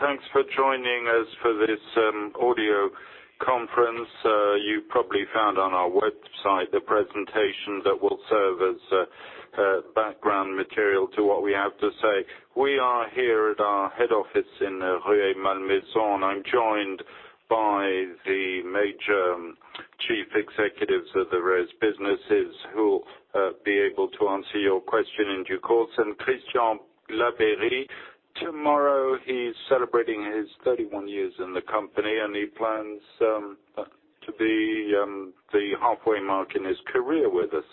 Well, thanks for joining us for this audio conference. You probably found on our website the presentation that will serve as background material to what we have to say. We are here at our head office in Rueil-Malmaison. I'm joined by the major chief executives of the various businesses who will be able to answer your question in due course. Christian Labeyrie, tomorrow he's celebrating his 31 years in the company, and he plans to be the halfway mark in his career with us.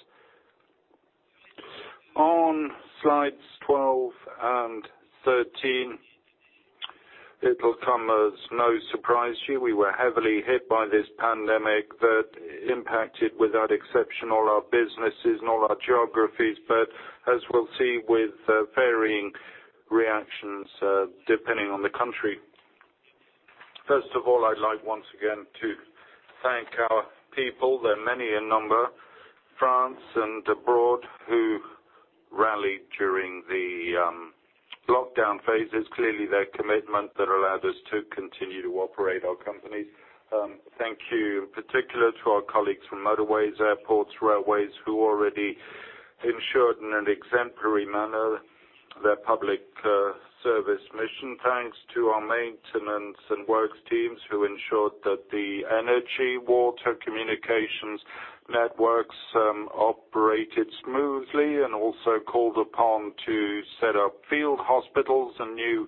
On slides 12 and 13, it'll come as no surprise to you, we were heavily hit by this pandemic that impacted, without exception, all our businesses and all our geographies. As we'll see, with varying reactions, depending on the country. First of all, I'd like, once again, to thank our people, they're many in number, France and abroad, who rallied during the lockdown phases. Clearly, their commitment that allowed us to continue to operate our company. Thank you in particular to our colleagues from motorways, airports, railways, who already ensured in an exemplary manner their public service mission. Thanks to our maintenance and works teams, who ensured that the energy, water, communications networks operated smoothly and also called upon to set up field hospitals and new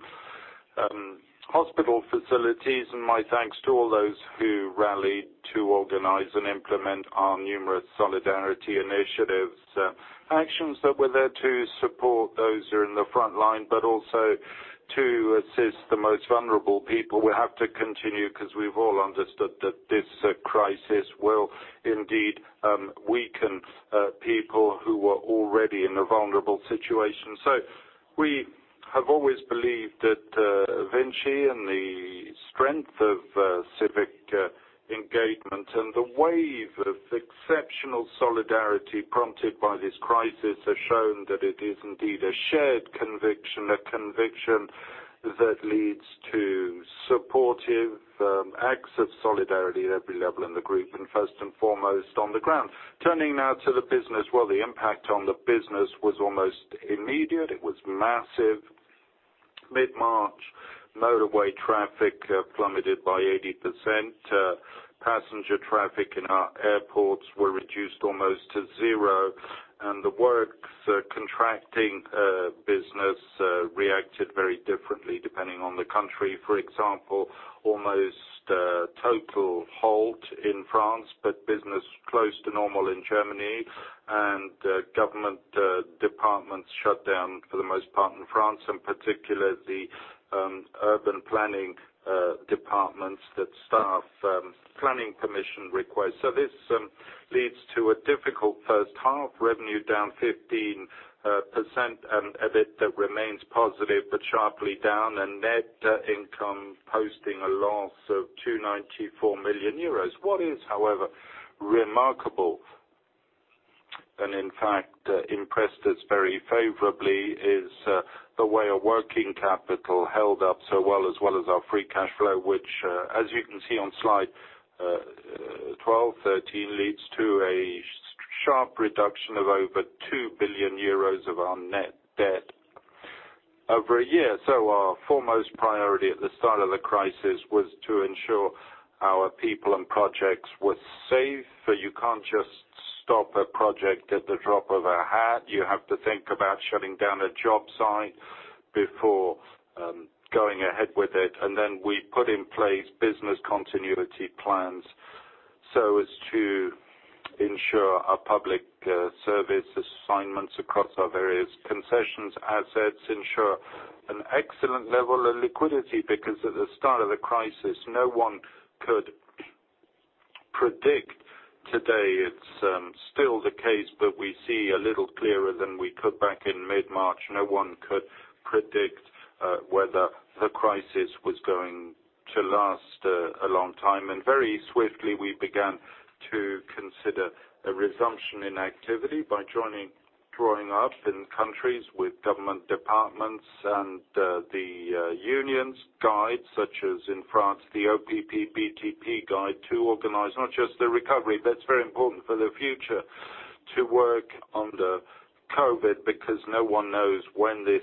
hospital facilities. My thanks to all those who rallied to organize and implement our numerous solidarity initiatives, actions that were there to support those who are in the front line, but also to assist the most vulnerable people. We have to continue because we've all understood that this crisis will indeed weaken people who were already in a vulnerable situation. We have always believed at VINCI in the strength of civic engagement, and the wave of exceptional solidarity prompted by this crisis has shown that it is indeed a shared conviction, a conviction that leads to supportive acts of solidarity at every level in the group and first and foremost, on the ground. Turning now to the business. The impact on the business was almost immediate. It was massive. Mid-March, motorway traffic plummeted by 80%. Passenger traffic in our airports were reduced almost to zero, and the works contracting business reacted very differently depending on the country. For example, almost a total halt in France, but business close to normal in Germany, and government departments shut down for the most part in France, and particularly the urban planning departments that staff planning permission requests. This leads to a difficult first half, revenue down 15%, and EBIT that remains positive but sharply down, and net income posting a loss of 294 million euros. What is, however, remarkable, and in fact, impressed us very favorably, is the way our working capital held up so well, as well as our free cash flow, which, as you can see on slide 12, 13, leads to a sharp reduction of over 2 billion euros of our net debt over a year. Our foremost priority at the start of the crisis was to ensure our people and projects were safe. You can't just stop a project at the drop of a hat. You have to think about shutting down a job site before going ahead with it. We put in place business continuity plans so as to ensure our public service assignments across our various concessions assets ensure an excellent level of liquidity because at the start of the crisis, no one could predict. Today, it's still the case. We see a little clearer than we could back in mid-March. No one could predict whether the crisis was going to last a long time, very swiftly we began to consider a resumption in activity by drawing up in countries with government departments and the unions guides such as in France, the OPPBTP guide to organize not just the recovery, but it is very important for the future to work under COVID because no one knows when this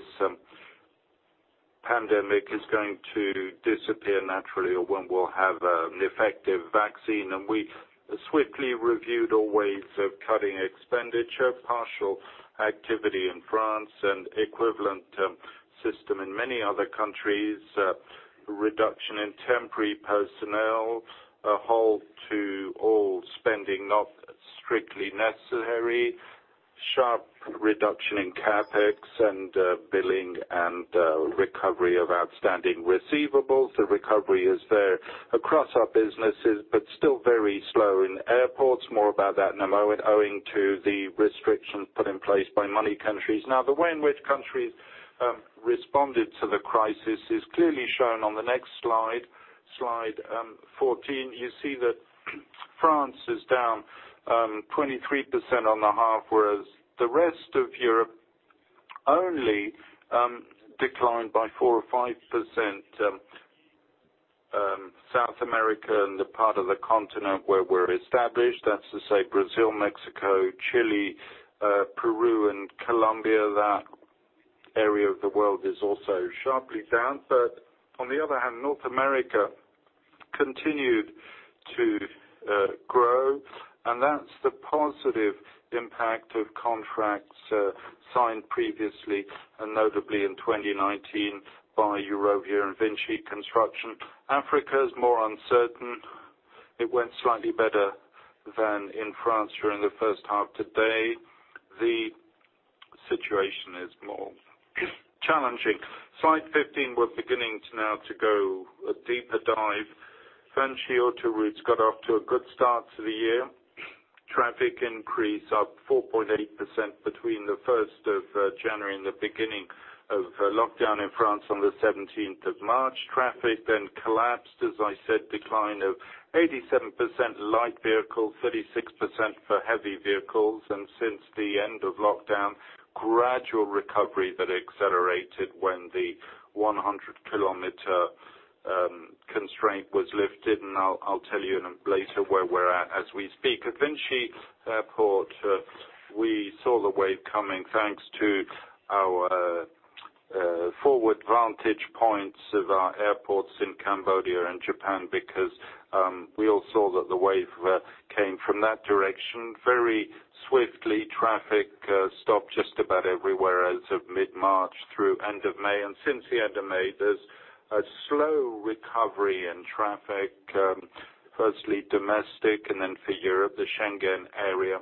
pandemic is going to disappear naturally or when we will have an effective vaccine. We swiftly reviewed all ways of cutting expenditure, partial activity in France, an equivalent system in many other countries, reduction in temporary personnel, a halt to all spending not strictly necessary, sharp reduction in CapEx and billing and recovery of outstanding receivables. The recovery is there across our businesses, but still very slow in airports. More about that in a moment, owing to the restrictions put in place by many countries. The way in which countries responded to the crisis is clearly shown on the next slide 14. You see that France is down 23% on the half, whereas the rest of Europe only declined by 4% or 5%. South America and the part of the continent where we're established, that's to say, Brazil, Mexico, Chile, Peru, and Colombia, that area of the world is also sharply down. On the other hand, North America continued to grow, and that's the positive impact of contracts signed previously, and notably in 2019 by Eurovia and VINCI Construction. Africa is more uncertain. It went slightly better than in France during the first half. Today, the situation is more challenging. Slide 15, we're beginning now to go a deeper dive. VINCI Autoroutes got off to a good start to the year. Traffic increase up 4.8% between the 1st of January and the beginning of lockdown in France on the 17th of March. Traffic then collapsed, as I said, decline of 87% light vehicles, 36% for heavy vehicles. Since the end of lockdown, gradual recovery that accelerated when the 100-kilometer constraint was lifted. I'll tell you later where we're at as we speak. At VINCI Airports, we saw the wave coming thanks to our forward vantage points of our airports in Cambodia and Japan because we all saw that the wave came from that direction. Very swiftly, traffic stopped just about everywhere as of mid-March through end of May. Since the end of May, there's a slow recovery in traffic. Firstly, domestic, and then for Europe, the Schengen area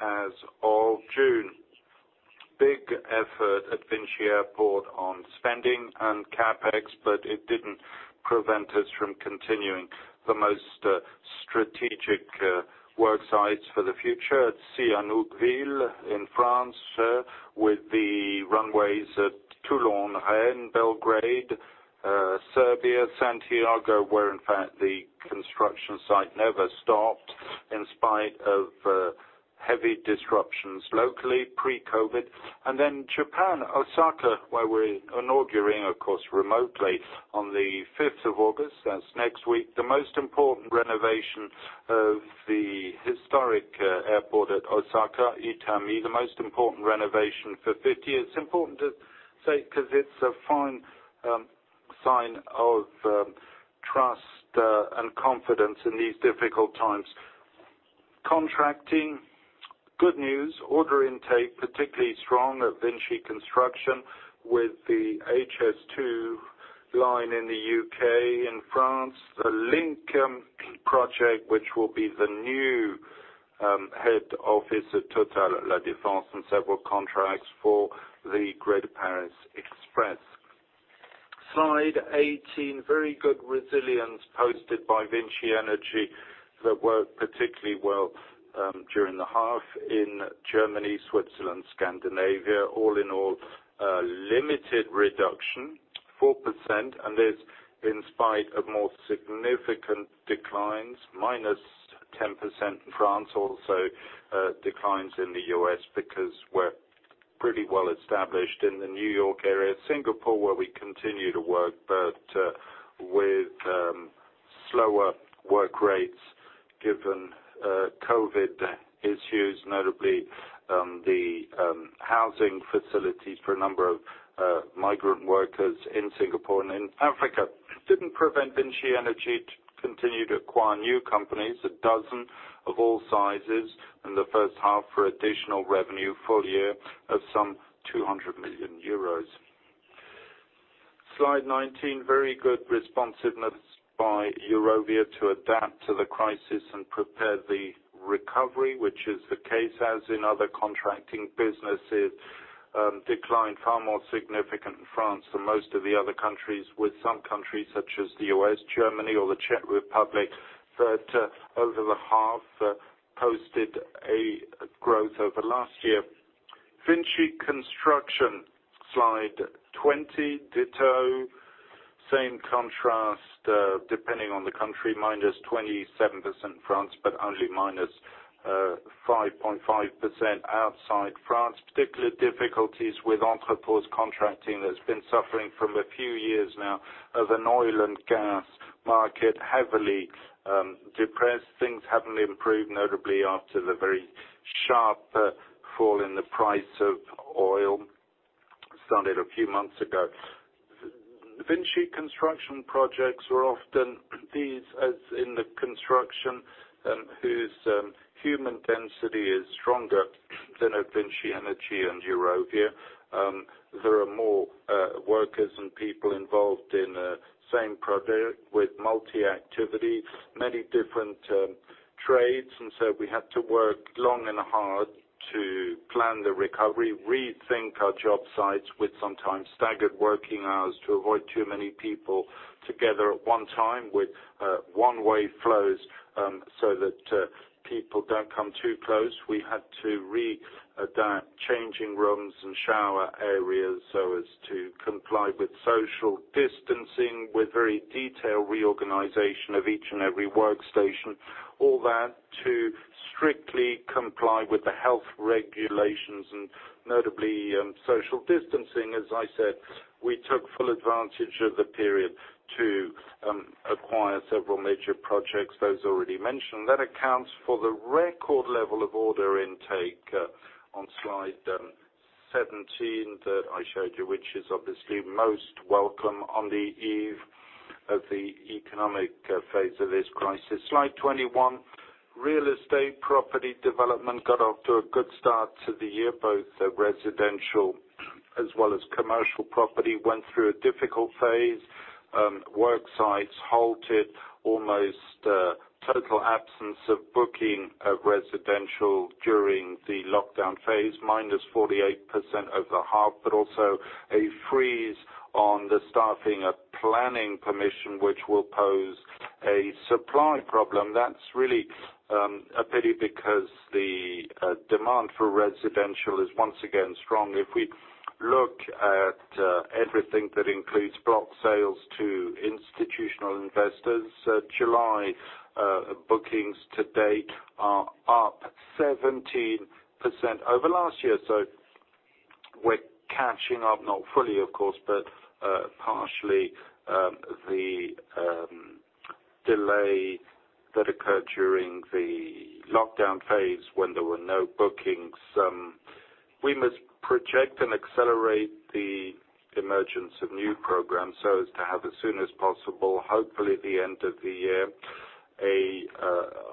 as of June. Big effort at VINCI Airports on spending and CapEx, it didn't prevent us from continuing the most strategic work sites for the future at Sihanoukville in France with the runways at Toulon, Rennes, Belgrade, Serbia, Santiago, where in fact, the construction site never stopped in spite of heavy disruptions locally pre-COVID. Japan, Osaka, where we're inaugurating, of course, remotely on the 5th of August. That's next week. The most important renovation of the historic airport at Osaka Itami, the most important renovation for 50 years. It's important to say because it's a fine sign of trust and confidence in these difficult times. Contracting, good news. Order intake, particularly strong at VINCI Construction with the HS2 line in the U.K. In France, The Link project, which will be the new head office at Total at La Défense, and several contracts for the Grand Paris Express. Slide 18, very good resilience posted by VINCI Energies that worked particularly well during the half in Germany, Switzerland, Scandinavia. All in all, a limited reduction, 4%, and this in spite of more significant declines, -10% in France. Also, declines in the U.S. because we're pretty well established in the New York area. Singapore, where we continue to work, but with slower work rates given COVID issues, notably the housing facilities for a number of migrant workers in Singapore and in Africa. Didn't prevent VINCI Energies to continue to acquire new companies, a dozen of all sizes in the first half for additional revenue full-year of some 200 million euros. Slide 19, very good responsiveness by Eurovia to adapt to the crisis and prepare the recovery, which is the case as in other contracting businesses, decline far more significant in France than most of the other countries, with some countries such as the U.S., Germany, or the Czech Republic, that over the half posted a growth over last year. VINCI Construction, Slide 20, ditto. Same contrast, depending on the country, -27% in France, but only -5.5% outside France. Particular difficulties with Entrepose Contracting that's been suffering from a few years now of an oil and gas market, heavily depressed. Things haven't improved, notably after the very sharp fall in the price of oil started a few months ago. VINCI Construction projects are often these as in the construction and whose human density is stronger than at VINCI Energies and Eurovia. There are more workers and people involved in the same project with multi-activity, many different trades. We had to work long and hard to plan the recovery, rethink our job sites with sometimes staggered working hours to avoid too many people together at one time with one-way flows so that people don't come too close. We had to readapt changing rooms and shower areas so as to comply with social distancing, with very detailed reorganization of each and every workstation. All that to strictly comply with the health regulations and notably social distancing. As I said, we took full advantage of the period to acquire several major projects, those already mentioned. That accounts for the record level of order intake on slide 17 that I showed you, which is obviously most welcome on the eve of the economic phase of this crisis. Slide 21. Real estate property development got off to a good start to the year, both residential as well as commercial property went through a difficult phase. Work sites halted, almost total absence of booking of residential during the lockdown phase, -48% over the half, but also a freeze on the staffing, a planning permission which will pose a supply problem. That's really a pity because the demand for residential is once again strong. If we look at everything that includes block sales to institutional investors, July bookings to date are up 17% over last year. We're catching up, not fully of course, but partially, the delay that occurred during the lockdown phase when there were no bookings. We must project and accelerate the emergence of new programs so as to have as soon as possible, hopefully the end of the year, a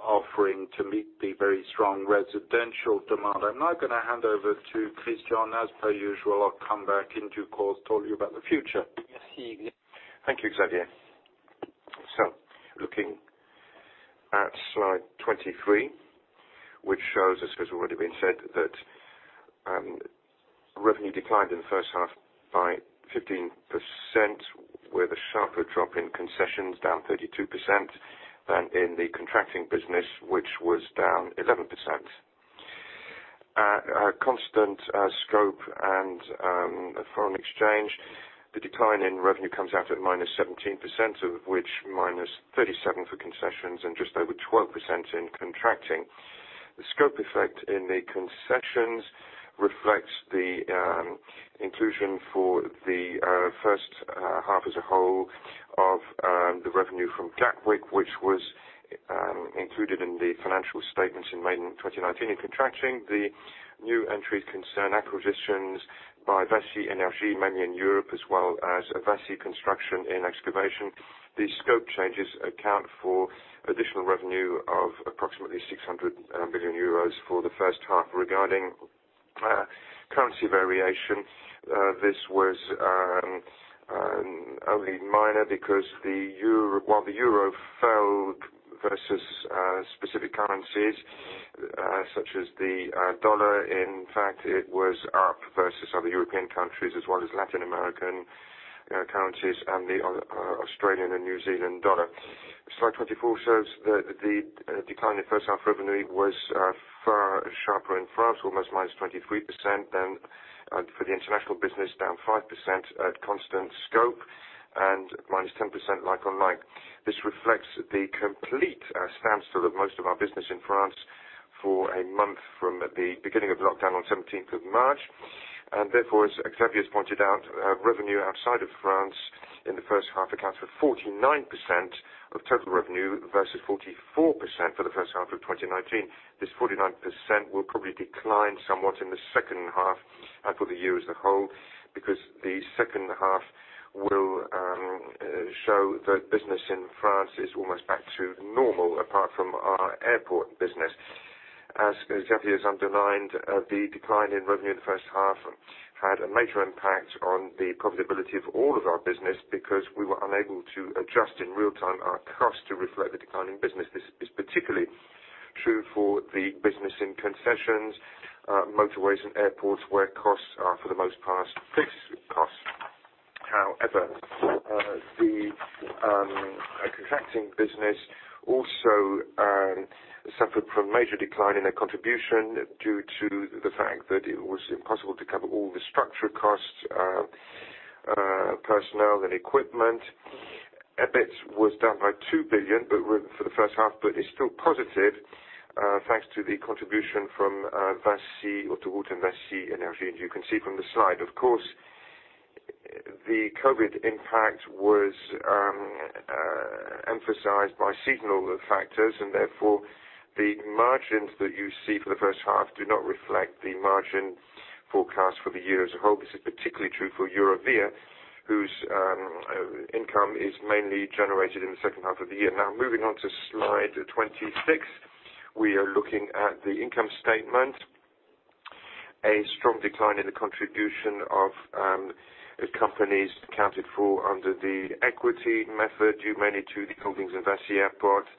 offering to meet the very strong residential demand. I'm now going to hand over to Christian, as per usual. I'll come back in due course to tell you about the future. Thank you, Xavier. Looking at slide 23, which shows, as has already been said, that revenue declined in the first half by 15%, with a sharper drop in concessions, down 32%, than in the contracting business, which was down 11%. At constant scope and foreign exchange, the decline in revenue comes out at -17%, of which -37% for concessions and just over 12% in contracting. The scope effect in the concessions reflects the inclusion for the first half as a whole of the revenue from Gatwick, which was included in the financial statements in May 2019. In contracting, the new entries concern acquisitions by VINCI Energies, mainly in Europe, as well as VINCI Construction in excavation. The scope changes account for additional revenue of approximately 600 million euros for the first half. Regarding currency variation, this was only minor because while the euro fell versus specific currencies such as the dollar, in fact, it was up versus other European countries as well as Latin American currencies and the Australian and New Zealand dollar. Slide 24 shows that the decline in first half revenue was far sharper in France, almost -23%, than for the international business, down 5% at constant scope and -10% like on like. This reflects the complete standstill of most of our business in France for a month from the beginning of lockdown on 17th of March, and therefore, as Xavier has pointed out, revenue outside of France in the first half accounts for 49% of total revenue versus 44% for the first half of 2019. This 49% will probably decline somewhat in the second half and for the year as a whole, because the second half will show that business in France is almost back to normal, apart from our airport business. As Xavier has underlined, the decline in revenue in the first half had a major impact on the profitability of all of our business because we were unable to adjust in real time our cost to reflect the decline in business. This is particularly true for the business in concessions, motorways and airports, where costs are, for the most part, fixed costs. However, the contracting business also suffered from a major decline in their contribution due to the fact that it was impossible to cover all the structural costs, personnel and equipment. EBIT was down by 2 billion for the first half, but is still positive thanks to the contribution from VINCI Autoroutes and VINCI Energies, as you can see from the slide. Of course, the COVID impact was emphasized by seasonal factors, therefore, the margins that you see for the first half do not reflect the margin forecast for the year as a whole. This is particularly true for Eurovia, whose income is mainly generated in the second half of the year. Moving on to slide 26. We are looking at the income statement. A strong decline in the contribution of companies accounted for under the equity method, due mainly to the holdings of VINCI Airports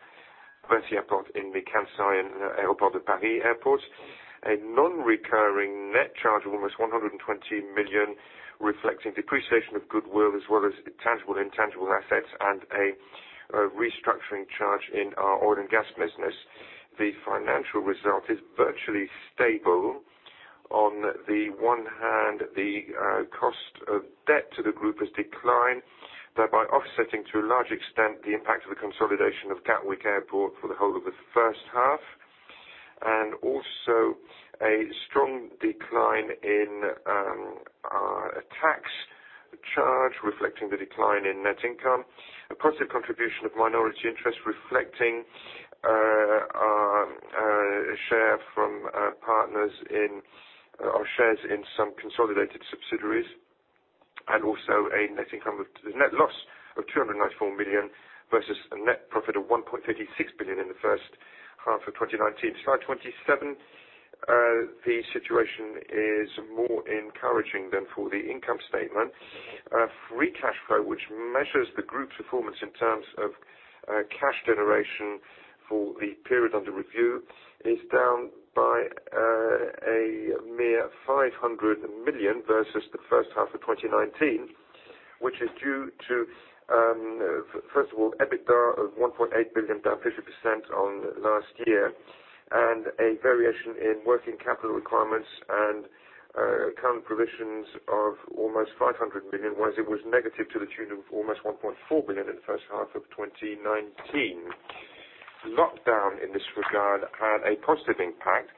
in the Kansai and Aéroports de Paris airports. A non-recurring net charge of almost 120 million, reflecting depreciation of goodwill as well as tangible and intangible assets, and a restructuring charge in our oil and gas business. The financial result is virtually stable. On the one hand, the cost of debt to the group has declined, thereby offsetting to a large extent the impact of the consolidation of Gatwick Airport for the whole of the first half, and also a strong decline in our tax charge, reflecting the decline in net income. A positive contribution of minority interest reflecting our share from partners in our shares in some consolidated subsidiaries, and also a net loss of 294 million versus a net profit of 1.36 billion in the first half of 2019. Slide 27. The situation is more encouraging than for the income statement. Free cash flow, which measures the group's performance in terms of cash generation for the period under review, is down by a mere 500 million versus the first half of 2019, which is due to, first of all, EBITDA of 1.8 billion, down 50% on last year, and a variation in working capital requirements and current provisions of almost 500 million. Whereas it was negative to the tune of almost 1.4 billion in the first half of 2019. Lockdown, in this regard, had a positive impact,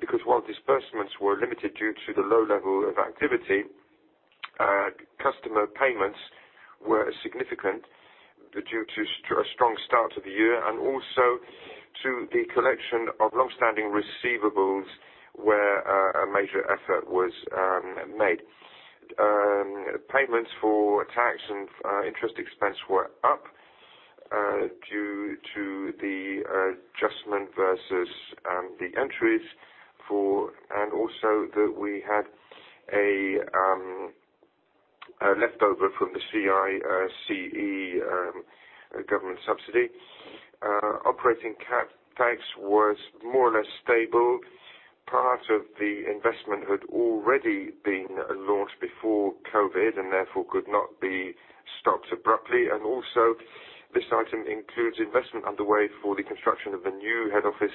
because while disbursements were limited due to the low level of activity, customer payments were significant due to a strong start to the year, and also to the collection of long-standing receivables, where a major effort was made. Payments for tax and interest expense were up due to the adjustment versus the entries for, that we had a leftover from the CICE government subsidy. Operating CapEx was more or less stable. Part of the investment had already been launched before COVID, therefore could not be stopped abruptly. This item includes investment underway for the construction of the new head office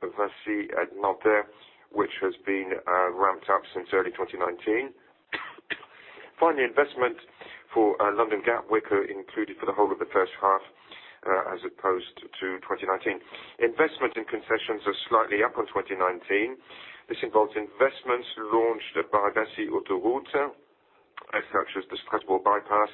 of VINCI at Nanterre, which has been ramped up since early 2019. Finally, investment for London Gatwick included for the whole of the first half as opposed to 2019. Investment in concessions are slightly up on 2019. This involves investments launched by VINCI Autoroutes, such as the Strasbourg bypass,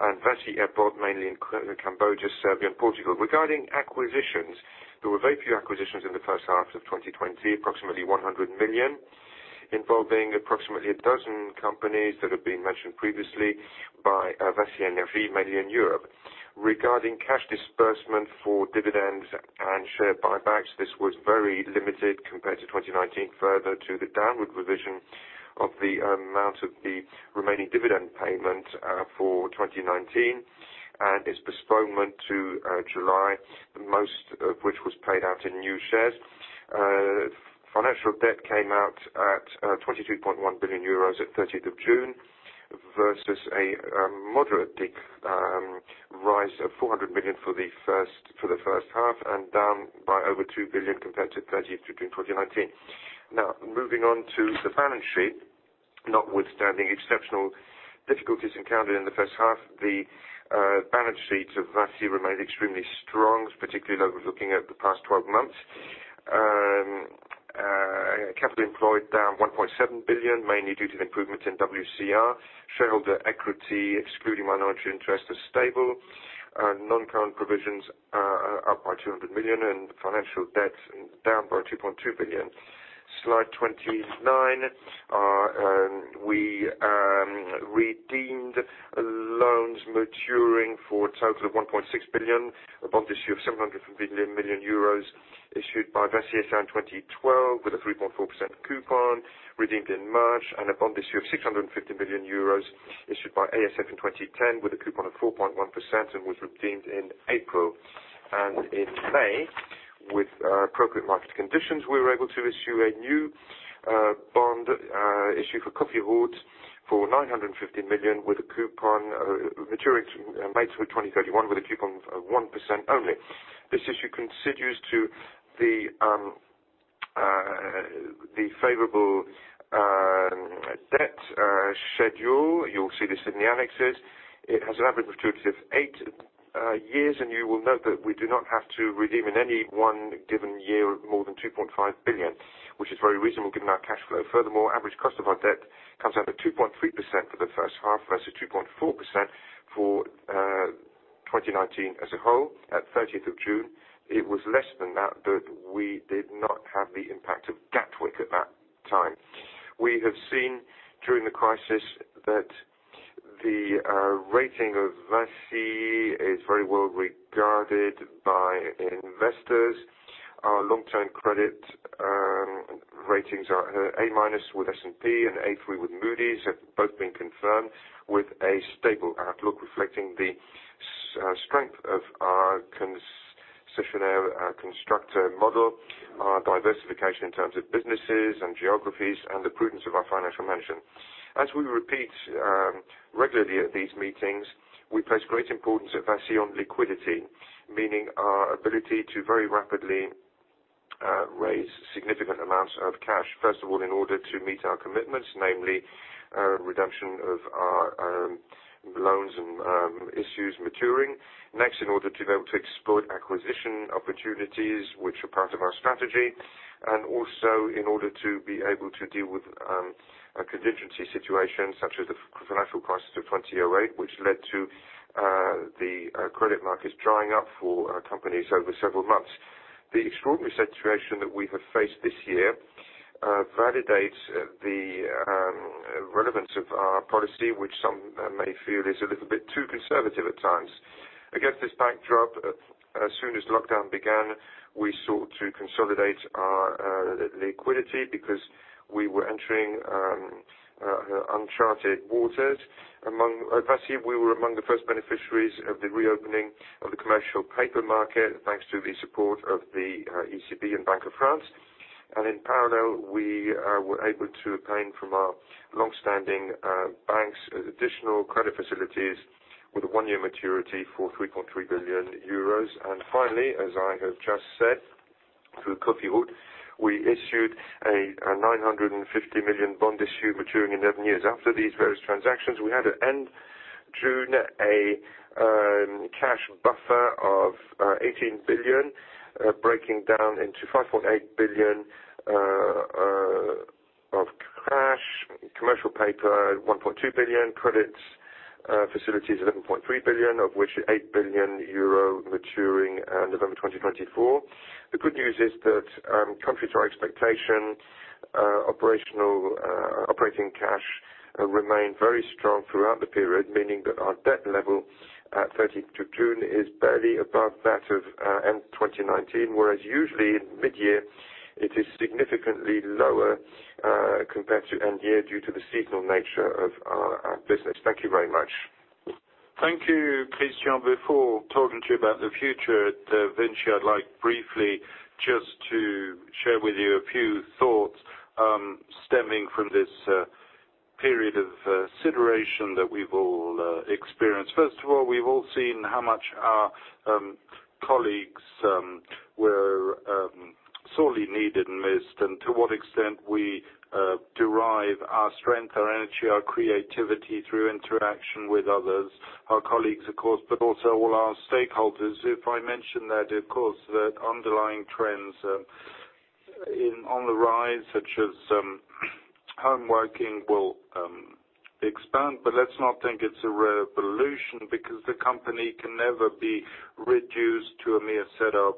and VINCI Airports, mainly in Cambodia, Serbia, and Portugal. Regarding acquisitions, there were very few acquisitions in the first half of 2020, approximately 100 million, involving approximately 12 companies that have been mentioned previously by VINCI Energies, mainly in Europe. Regarding cash disbursement for dividends and share buybacks, this was very limited compared to 2019, further to the downward revision of the amount of the remaining dividend payment for 2019 and its postponement to July, most of which was paid out in new shares. Financial debt came out at 22.1 billion euros at June 30 versus a moderate rise of 400 million for the first half and down by over 2 billion compared to June 30, 2019. Moving on to the balance sheet. Notwithstanding exceptional difficulties encountered in the first half, the balance sheet of VINCI remained extremely strong, particularly looking at the past 12 months. Capital employed down 1.7 billion, mainly due to the improvements in WCR. Shareholder equity, excluding minority interest, is stable. Non-current provisions are up by 200 million, financial debt is down by 2.2 billion. Slide 29. We redeemed loans maturing for a total of 1.6 billion, a bond issue of 700 million euros issued by VINCI SF in 2012 with a 3.4% coupon redeemed in March, and a bond issue of 650 million euros issued by ASF in 2010 with a coupon of 4.1% and was redeemed in April. In May, with appropriate market conditions, we were able to issue a new bond issue for Cofiroute for 950 million maturing May through 2031 with a coupon of 1% only. This issue continues to the favorable debt schedule. You will see this in the annexes. It has an average maturity of eight years. You will note that we do not have to redeem in any one given year more than 2.5 billion, which is very reasonable given our cash flow. Average cost of our debt comes out at 2.3% for the first half versus 2.4% for 2019 as a whole at 30th of June. It was less than that. We did not have the impact of Gatwick at that time. We have seen during the crisis that the rating of VINCI is very well regarded by investors. Our long-term credit ratings are A minus with S&P and A3 with Moody's, have both been confirmed with a stable outlook reflecting the strength of our concessionaire construct model, our diversification in terms of businesses and geographies, and the prudence of our financial management. As we repeat regularly at these meetings, we place great importance on liquidity, meaning our ability to very rapidly raise significant amounts of cash. First of all, in order to meet our commitments, namely, redemption of our loans and issues maturing. Next, in order to be able to exploit acquisition opportunities which are part of our strategy, and also in order to be able to deal with a contingency situation such as the financial crisis of 2008, which led to the credit markets drying up for companies over several months. The extraordinary situation that we have faced this year validates the relevance of our policy, which some may feel is a little bit too conservative at times. Against this backdrop, as soon as lockdown began, we sought to consolidate our liquidity because we were entering uncharted waters. At VINCI, we were among the first beneficiaries of the reopening of the commercial paper market, thanks to the support of the ECB and Bank of France. In parallel, we were able to obtain from our longstanding banks, additional credit facilities with a one-year maturity for 3.3 billion euros. Finally, as I have just said, through Cofiroute, we issued a 950 million bond issue maturing 11 years. After these various transactions, we had at end June, a cash buffer of 18 billion, breaking down into 5.8 billion of cash, commercial paper, 1.2 billion credits, facilities, 11.3 billion, of which 8 billion euro maturing November 2024. The good news is that, contrary to our expectation, operating cash remained very strong throughout the period, meaning that our debt level at 30th June is barely above that of end 2019, whereas usually in mid-year, it is significantly lower, compared to end year due to the seasonal nature of our business. Thank you very much. Thank you, Christian. Before talking to you about the future at VINCI, I'd like briefly just to share with you a few thoughts, stemming from this period of consideration that we've all experienced. First of all, we've all seen how much our colleagues were sorely needed and missed, and to what extent we derive our strength, our energy, our creativity through interaction with others, our colleagues, of course, but also all our stakeholders. If I mention that, of course, the underlying trends on the rise, such as home working will expand, but let's not think it's a revolution because the company can never be reduced to a mere set of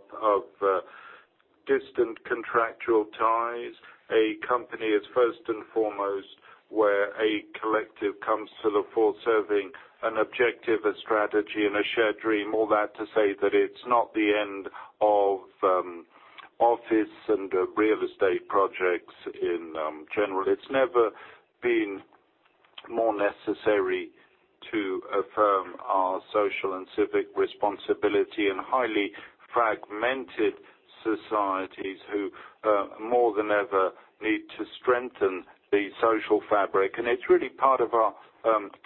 distant contractual ties. A company is first and foremost where a collective comes to the fore serving an objective, a strategy, and a shared dream. All that to say that it's not the end of office and real estate projects in general. It's never been more necessary to affirm our social and civic responsibility in highly fragmented societies who, more than ever, need to strengthen the social fabric. It's really part of our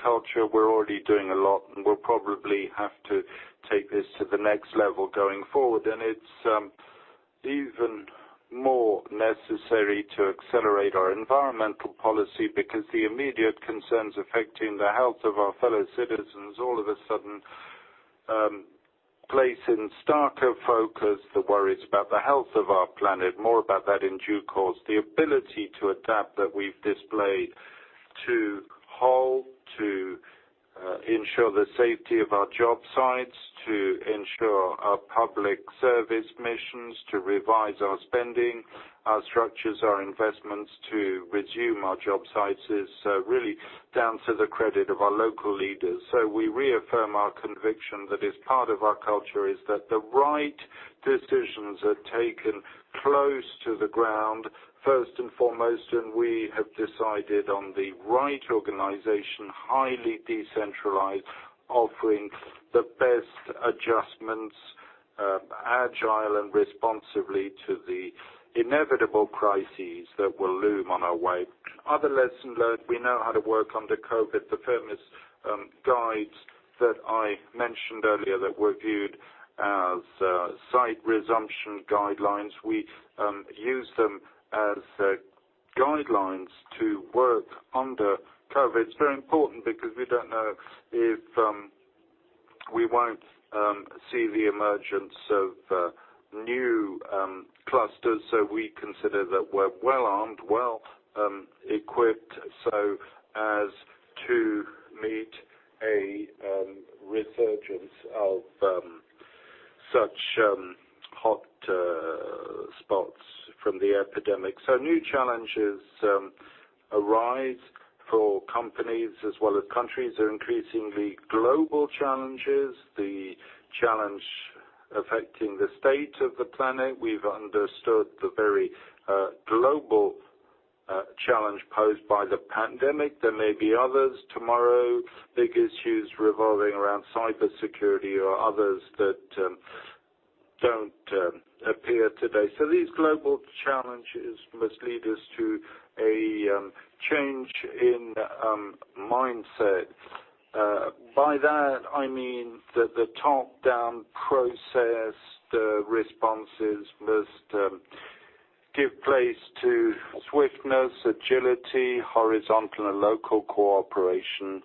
culture. We're already doing a lot, and we'll probably have to take this to the next level going forward. It's even more necessary to accelerate our environmental policy because the immediate concerns affecting the health of our fellow citizens all of a sudden place in starker focus the worries about the health of our planet. More about that in due course. The ability to adapt that we've displayed, to halt, to ensure the safety of our job sites, to ensure our public service missions, to revise our spending, our structures, our investments, to resume our job sites is really down to the credit of our local leaders. We reaffirm our conviction that is part of our culture, is that the right decisions are taken close to the ground, first and foremost, and we have decided on the right organization, highly decentralized, offering the best adjustments, agile and responsively to the inevitable crises that will loom on our way. Other lesson learned, we know how to work under COVID. The firmness guides that I mentioned earlier that were viewed as site resumption guidelines. We use them as guidelines to work under COVID. It's very important because we don't know if we won't see the emergence of new clusters, so we consider that we're well-armed, well-equipped, so as to meet a resurgence of such hotspots from the epidemic. New challenges arise for companies as well as countries. They're increasingly global challenges, the challenge affecting the state of the planet. We've understood the very global challenge posed by the pandemic. There may be others tomorrow, big issues revolving around cybersecurity or others that don't appear today. These global challenges must lead us to a change in mindset. By that, I mean that the top-down process, the responses must give place to swiftness, agility, horizontal and local cooperation,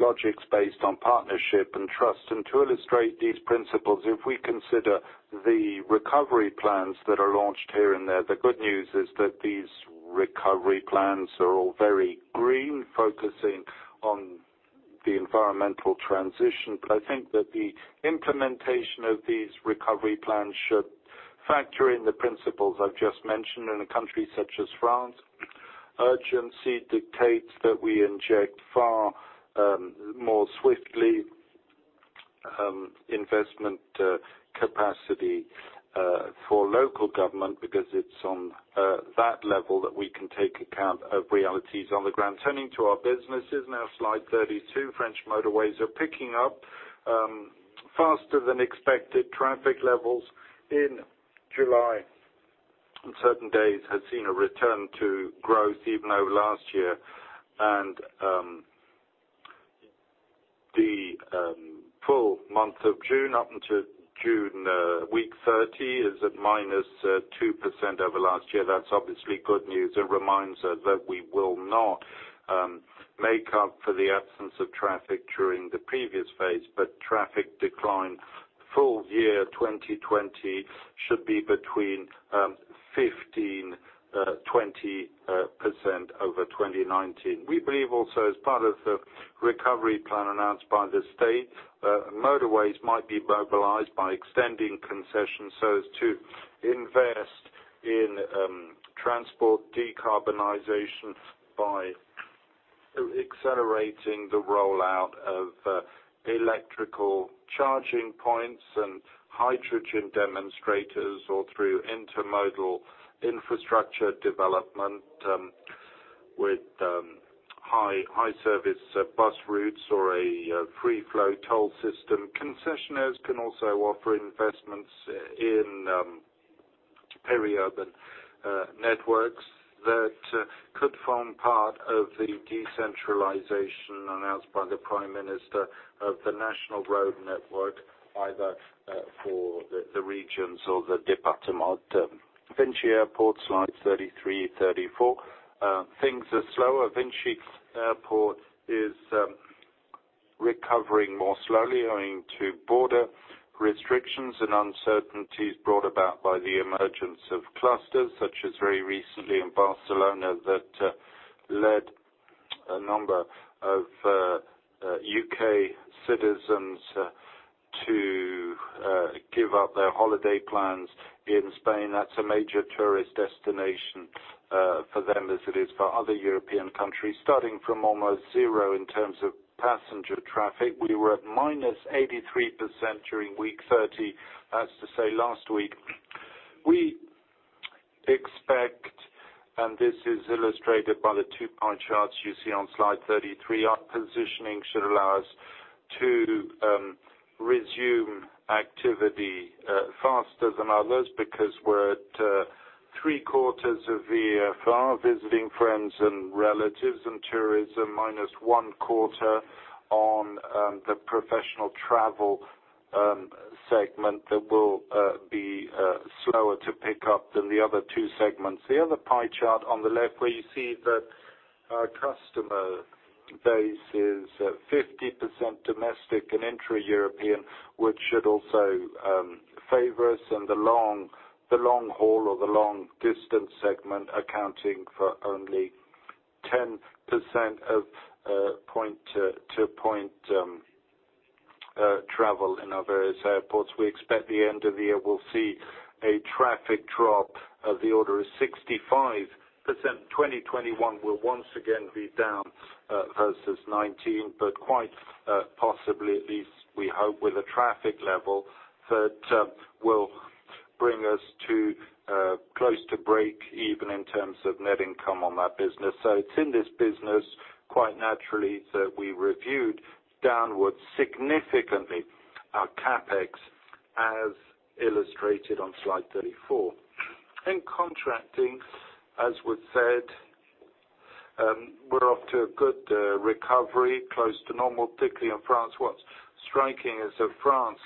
logics based on partnership and trust. To illustrate these principles, if we consider the recovery plans that are launched here and there, the good news is that these recovery plans are all very green, focusing on the environmental transition. I think that the implementation of these recovery plans should factor in the principles I've just mentioned in a country such as France. Urgency dictates that we inject far more swiftly, investment capacity for local government because it's on that level that we can take account of realities on the ground. Turning to our businesses, now slide 32, French motorways are picking up faster than expected traffic levels in July, and certain days have seen a return to growth even over last year. The full month of June up until June week 30 is at -2% over last year. That's obviously good news. It reminds us that we will not make up for the absence of traffic during the previous phase, but traffic decline full year 2020 should be between 15%-20% over 2019. We believe also as part of the recovery plan announced by the State, motorways might be mobilized by extending concessions so as to invest in transport decarbonization by accelerating the rollout of electrical charging points and hydrogen demonstrators, or through intermodal infrastructure development, with high service bus routes or a free-flow toll system. Concessionaires can also offer investments in peri-urban networks that could form part of the decentralization announced by the Prime Minister of the National Road Network, either for the regions or the département. VINCI Airports, slides 33, 34. Things are slower. VINCI Airports is recovering more slowly owing to border restrictions and uncertainties brought about by the emergence of clusters, such as very recently in Barcelona that led a number of U.K. citizens to give up their holiday plans in Spain. That is a major tourist destination for them as it is for other European countries. Starting from almost zero in terms of passenger traffic, we were at -83% during week 30, that is to say last week. We expect, and this is illustrated by the two pie charts you see on slide 33, our positioning should allow us to resume activity faster than others because we are at three quarters of VFR, visiting friends and relatives, and tourism, minus one quarter on the professional travel segment that will be slower to pick up than the other two segments. The other pie chart on the left where you see that our customer base is 50% domestic and intra-European, which should also favor us in the long haul or the long-distance segment, accounting for only 10% of point-to-point travel in our various airports. We expect the end of the year will see a traffic drop of the order of 65%. 2021 will once again be down versus 2019, quite possibly, at least we hope, with a traffic level that will bring us close to break even in terms of net income on that business. It's in this business, quite naturally, that we reviewed downwards significantly our CapEx as illustrated on slide 34. In contracting, as was said, we're off to a good recovery close to normal, particularly in France. What's striking is that France,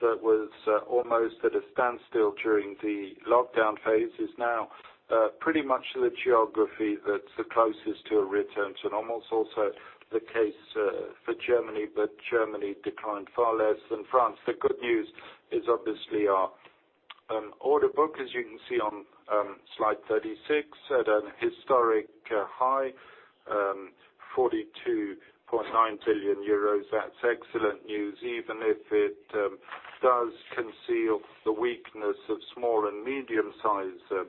that was almost at a standstill during the lockdown phase, is now pretty much the geography that's the closest to a return to normal. It's also the case for Germany, but Germany declined far less than France. The good news is obviously our order book, as you can see on slide 36, at an historic high, 42.9 billion euros. That's excellent news, even if it does conceal the weakness of small and medium-sized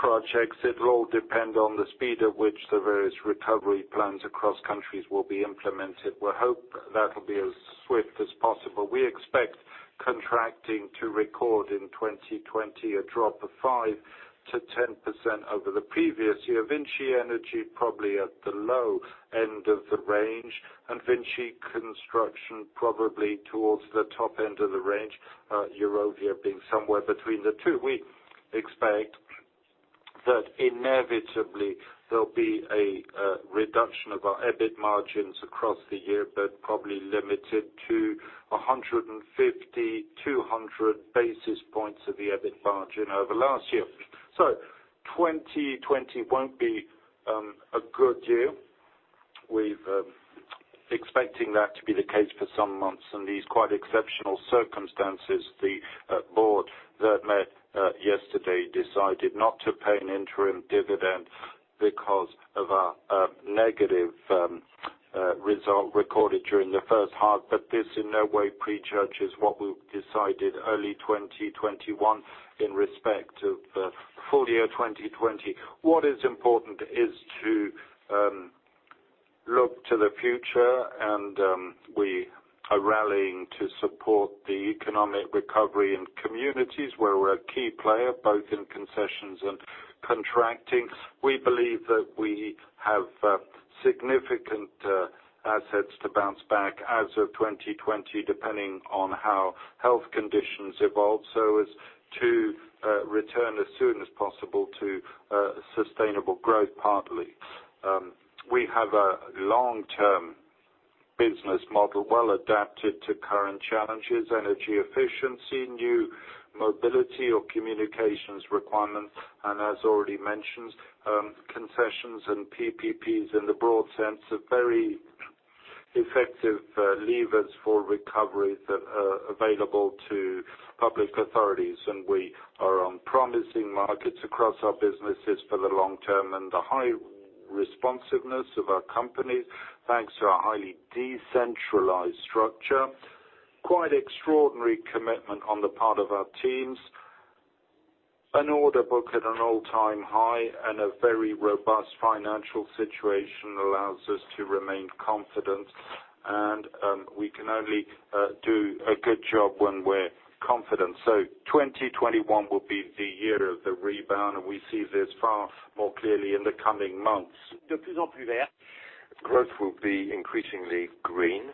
projects. It will all depend on the speed at which the various recovery plans across countries will be implemented. We hope that'll be as swift as possible. We expect contracting to record in 2020 a drop of 5%-10% over the previous year. VINCI Energies probably at the low end of the range, and VINCI Construction probably towards the top end of the range. Eurovia being somewhere between the two. That inevitably there'll be a reduction of our EBIT margins across the year, probably limited to 150, 200 basis points of the EBIT margin over last year. 2020 won't be a good year. We're expecting that to be the case for some months. In these quite exceptional circumstances, the board that met yesterday decided not to pay an interim dividend because of a negative result recorded during the first half. This in no way prejudges what we'll decide in early 2021 in respect of full year 2020. What is important is to look to the future. We are rallying to support the economic recovery in communities where we're a key player, both in concessions and contracting. We believe that we have significant assets to bounce back as of 2020, depending on how health conditions evolve, so as to return as soon as possible to sustainable growth, partly. We have a long-term business model well adapted to current challenges, energy efficiency, new mobility or communications requirements. As already mentioned, concessions and PPPs in the broad sense are very effective levers for recovery that are available to public authorities. We are on promising markets across our businesses for the long term and the high responsiveness of our company, thanks to our highly decentralized structure. Quite extraordinary commitment on the part of our teams. An order book at an all-time high and a very robust financial situation allows us to remain confident. We can only do a good job when we're confident. 2021 will be the year of the rebound, and we see this far more clearly in the coming months. Growth will be increasingly green,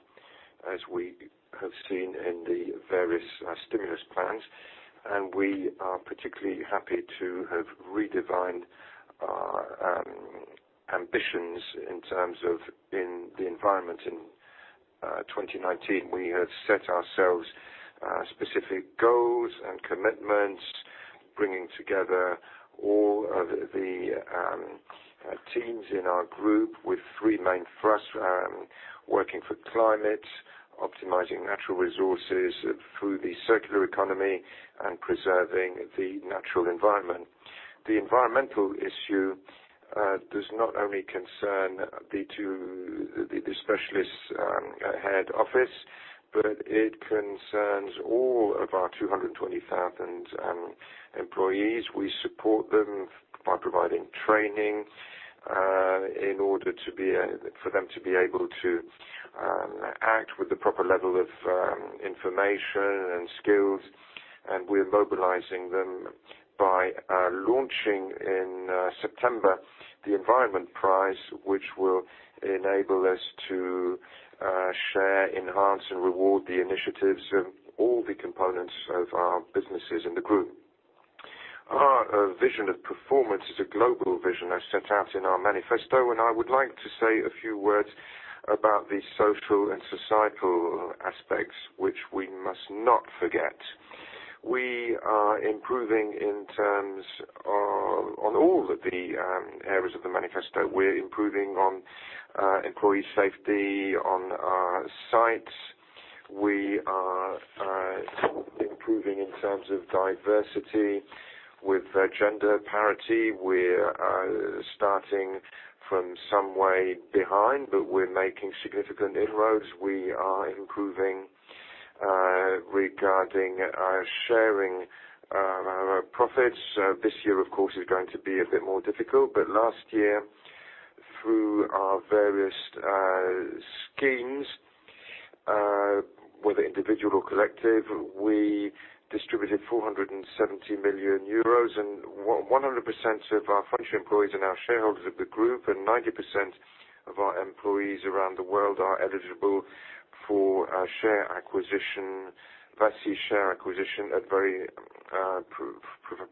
as we have seen in the various stimulus plans, and we are particularly happy to have redesigned our ambitions in terms of in the environment in 2019. We had set ourselves specific goals and commitments, bringing together all of the teams in our group with three main thrusts. Working for climate, optimizing natural resources through the circular economy, and preserving the natural environment. The environmental issue does not only concern the specialist head office, but it concerns all of our 220,000 employees. We support them by providing training for them to be able to act with the proper level of information and skills. We're mobilizing them by launching in September the Environment Prize, which will enable us to share, enhance, and reward the initiatives of all the components of our businesses in the group. Our vision of performance is a global vision as set out in our manifesto. I would like to say a few words about the social and societal aspects, which we must not forget. We are improving in terms on all of the areas of the manifesto. We're improving on employee safety on our sites. We are improving in terms of diversity with gender parity. We're starting from some way behind, but we're making significant inroads. We are improving regarding our sharing our profits. This year, of course, is going to be a bit more difficult, but last year, through our various schemes, whether individual or collective, we distributed 470 million euros, and 100% of our French employees and our shareholders of the group and 90% of our employees around the world are eligible for our share acquisition at very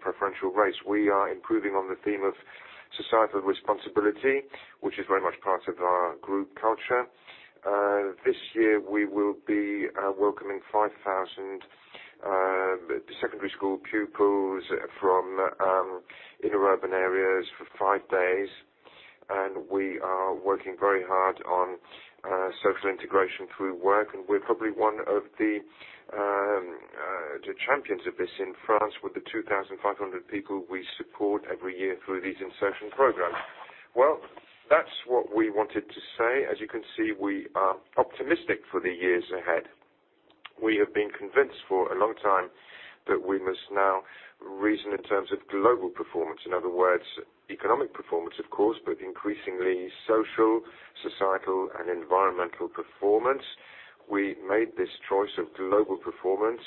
preferential rates. We are improving on the theme of societal responsibility, which is very much part of our group culture. This year, we will be welcoming 5,000 secondary school pupils from inner urban areas for five days. We are working very hard on social integration through work, and we're probably one of the champions of this in France, with the 2,500 people we support every year through these insertion programs. Well, that's what we wanted to say. As you can see, we are optimistic for the years ahead. We have been convinced for a long time that we must now reason in terms of global performance. In other words, economic performance, of course, but increasingly social, societal, and environmental performance. We made this choice of global performance.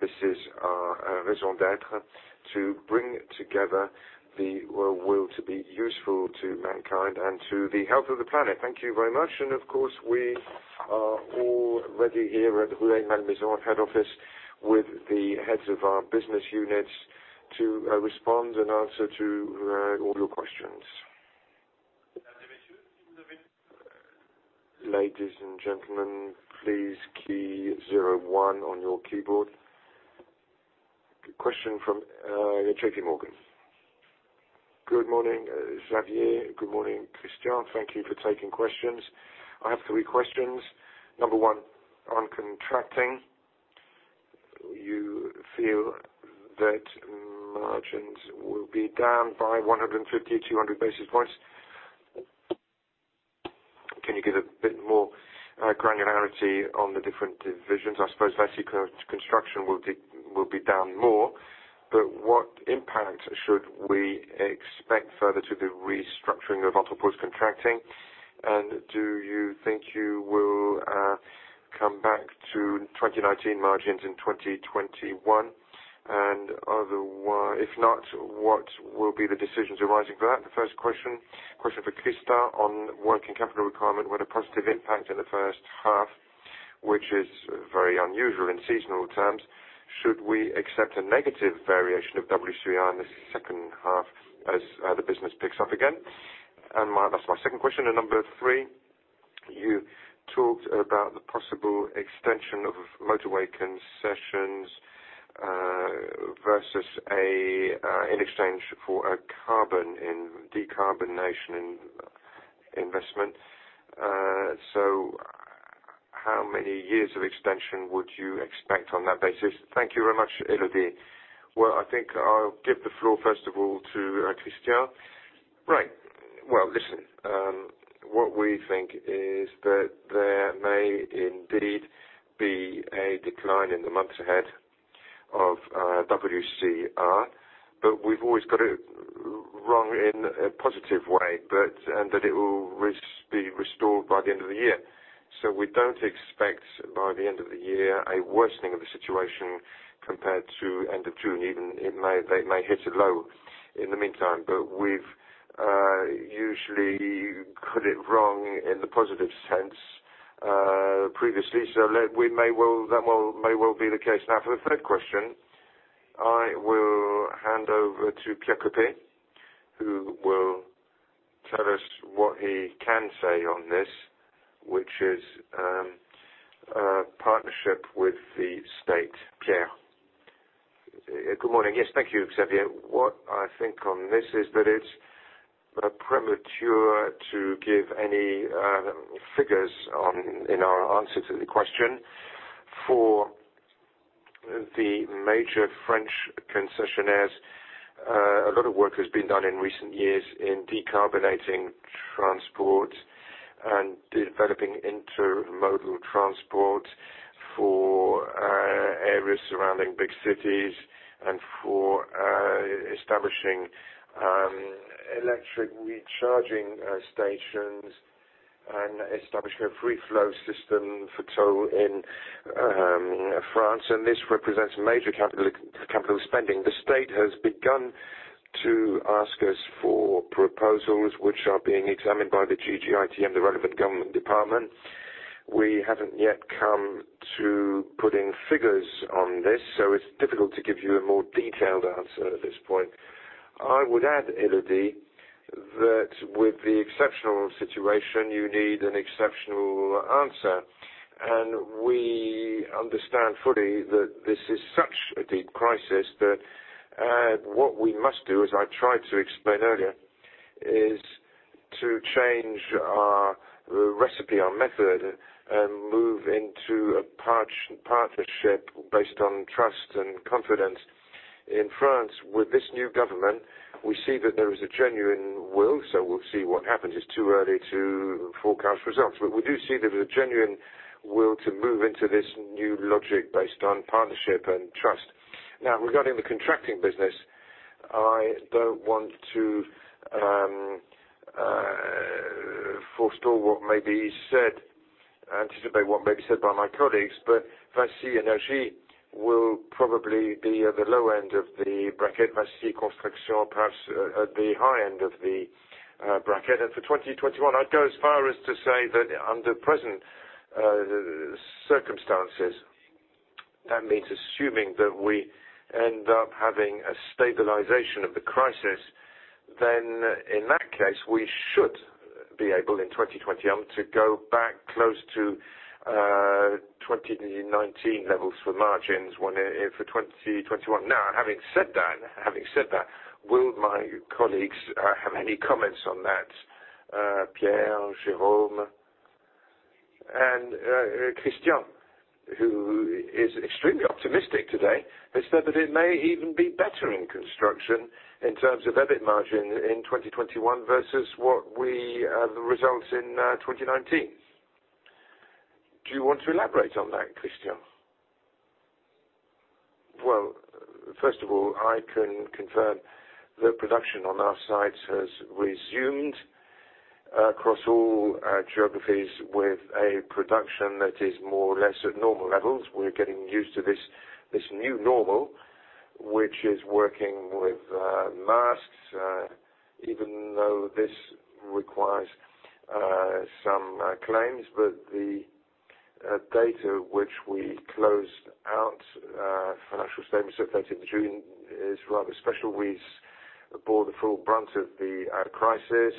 This is our raison d'être, to bring together the will to be useful to mankind and to the health of the planet. Thank you very much, and of course, we are already here at the Rueil-Malmaison head office. With the heads of our business units to respond and answer to all your questions. Ladies and gentlemen, please key zero one on your keyboard. A question from JPMorgan. Good morning, Xavier. Good morning, Christian. Thank you for taking questions. I have three questions. Number one, on contracting, you feel that margins will be down by 150-200 basis points. Can you give a bit more granularity on the different divisions? I suppose VINCI Construction will be down more. What impact should we expect further to the restructuring of VINCI Highways' contracting? Do you think you will come back to 2019 margins in 2021? If not, what will be the decisions arising from that? The first question. Question for Christian on working capital requirement with a positive impact in the first half, which is very unusual in seasonal terms. Should we accept a negative variation of WCR in the second half as the business picks up again? That's my second question. Number three, you talked about the possible extension of motorway concessions in exchange for a carbon in decarbonation investment. How many years of extension would you expect on that basis? Thank you very much, Elodie. Well, I think I'll give the floor first of all to Christian. Right. Well, listen. What we think is that there may indeed be a decline in the months ahead of WCR, but we've always got it wrong in a positive way, and that it will be restored by the end of the year. We don't expect by the end of the year, a worsening of the situation compared to end of June, even it may hit a low in the meantime, but we've usually got it wrong in the positive sense previously. That may well be the case. For the third question, I will hand over to Pierre Coppey, who will tell us what he can say on this, which is a partnership with the state. Pierre. Good morning. Thank you, Xavier. What I think on this is that it's premature to give any figures in our answer to the question. For the major French concessionaires, a lot of work has been done in recent years in decarbonating transport and developing intermodal transport for areas surrounding big cities and for establishing electric recharging stations and establishing a free-flow tolling system in France, and this represents major capital spending. The state has begun to ask us for proposals which are being examined by the DGITM and the relevant government department. We haven't yet come to putting figures on this, so it's difficult to give you a more detailed answer at this point. I would add, Elodie, that with the exceptional situation, you need an exceptional answer, and we understand fully that this is such a deep crisis that what we must do, as I tried to explain earlier, is to change our recipe, our method, and move into a partnership based on trust and confidence. In France, with this new government, we see that there is a genuine will, so we'll see what happens. It's too early to forecast results. We do see there is a genuine will to move into this new logic based on partnership and trust. Regarding the contracting business, I don't want to forestall what may be said, anticipate what may be said by my colleagues, VINCI Energies will probably be at the low end of the bracket. VINCI Construction, perhaps at the high end of the bracket. For 2021, I'd go as far as to say that under present circumstances, that means assuming that we end up having a stabilization of the crisis, then in that case, we should be able in 2021 to go back close to 2019 levels for margins for 2021. Having said that, will my colleagues have any comments on that? Pierre, Jérôme, and Christian, who is extremely optimistic today, has said that it may even be better in construction in terms of EBIT margin in 2021 versus the results in 2019. Do you want to elaborate on that, Christian? Well, first of all, I can confirm that production on our sites has resumed across all geographies with a production that is more or less at normal levels. We're getting used to this new normal. Which is working with masks, even though this requires some claims. The data which we closed out, financial statements circulated in June, is rather special. We bore the full brunt of the crisis,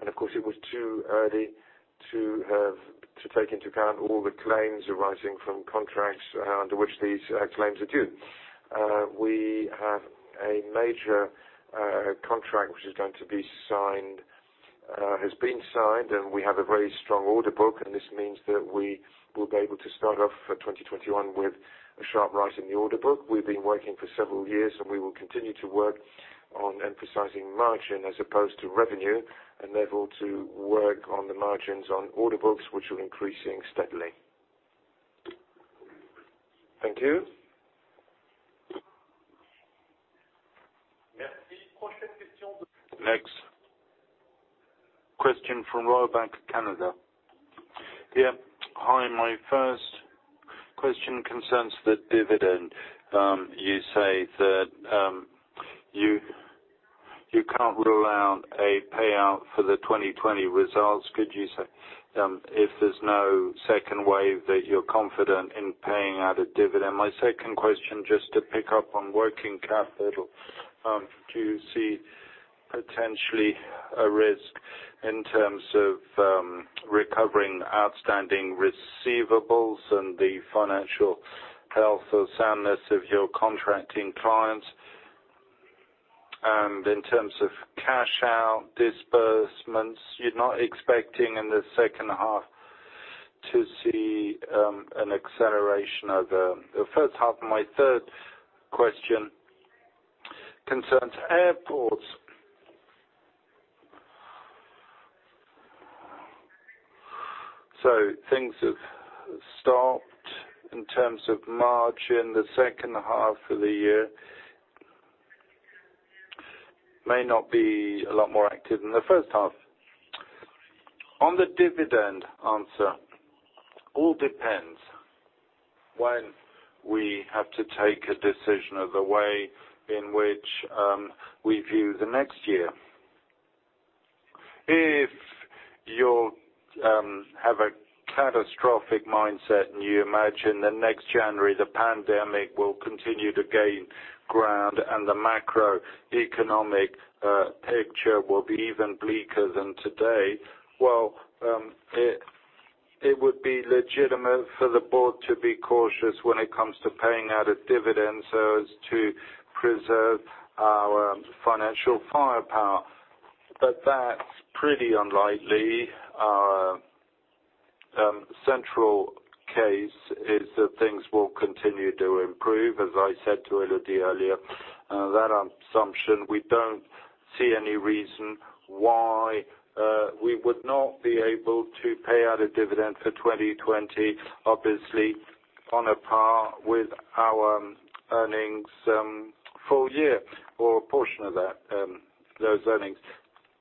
and of course, it was too early to take into account all the claims arising from contracts under which these claims are due. We have a major contract which is going to be signed, has been signed, and we have a very strong order book, and this means that we will be able to start off 2021 with a sharp rise in the order book. We've been working for several years, and we will continue to work on emphasizing margin as opposed to revenue, and therefore, to work on the margins on order books, which are increasing steadily. Thank you. Next question from Royal Bank of Canada. Hi. My first question concerns the dividend. You say that you can't rule out a payout for the 2020 results. Could you say, if there's no second wave, that you're confident in paying out a dividend? My second question, just to pick up on working capital. Do you see potentially a risk in terms of recovering outstanding receivables and the financial health or soundness of your contracting clients? In terms of cash out disbursements, you're not expecting in the first half to see an acceleration. My third question concerns airports. Things have stopped in terms of margin. The second half of the year may not be a lot more active than the first half. On the dividend answer, all depends when we have to take a decision of the way in which we view the next year. If you have a catastrophic mindset, and you imagine that next January, the pandemic will continue to gain ground and the macroeconomic picture will be even bleaker than today, well, it would be legitimate for the board to be cautious when it comes to paying out a dividend so as to preserve our financial firepower. That's pretty unlikely. Our central case is that things will continue to improve, as I said to Elodie earlier. Under that assumption, we don't see any reason why we would not be able to pay out a dividend for 2020, obviously on a par with our earnings full year or a portion of those earnings.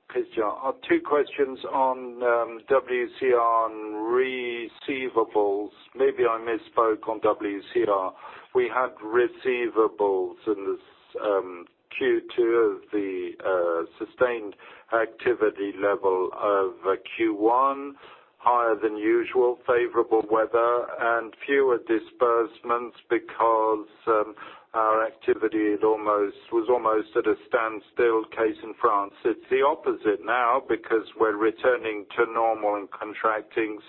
Christian. Two questions on WCR and receivables. Maybe I misspoke on WCR. We had receivables in this Q2 of the sustained activity level of Q1, higher than usual, favorable weather, and fewer disbursements because our activity was almost at a standstill case in France. It's the opposite now because we're returning to normal in contracting.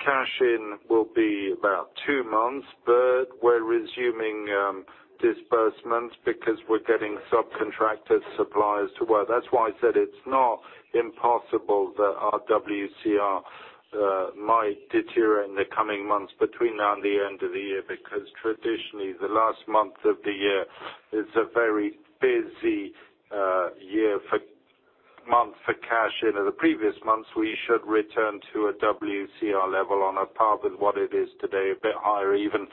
Cash in will be about two months, but we're resuming disbursements because we're getting subcontractor suppliers to work. That's why I said it's not impossible that our WCR might deteriorate in the coming months between now and the end of the year, because traditionally, the last month of the year is a very busy month for cash in. In the previous months, we should return to a WCR level on a par with what it is today, a bit higher even,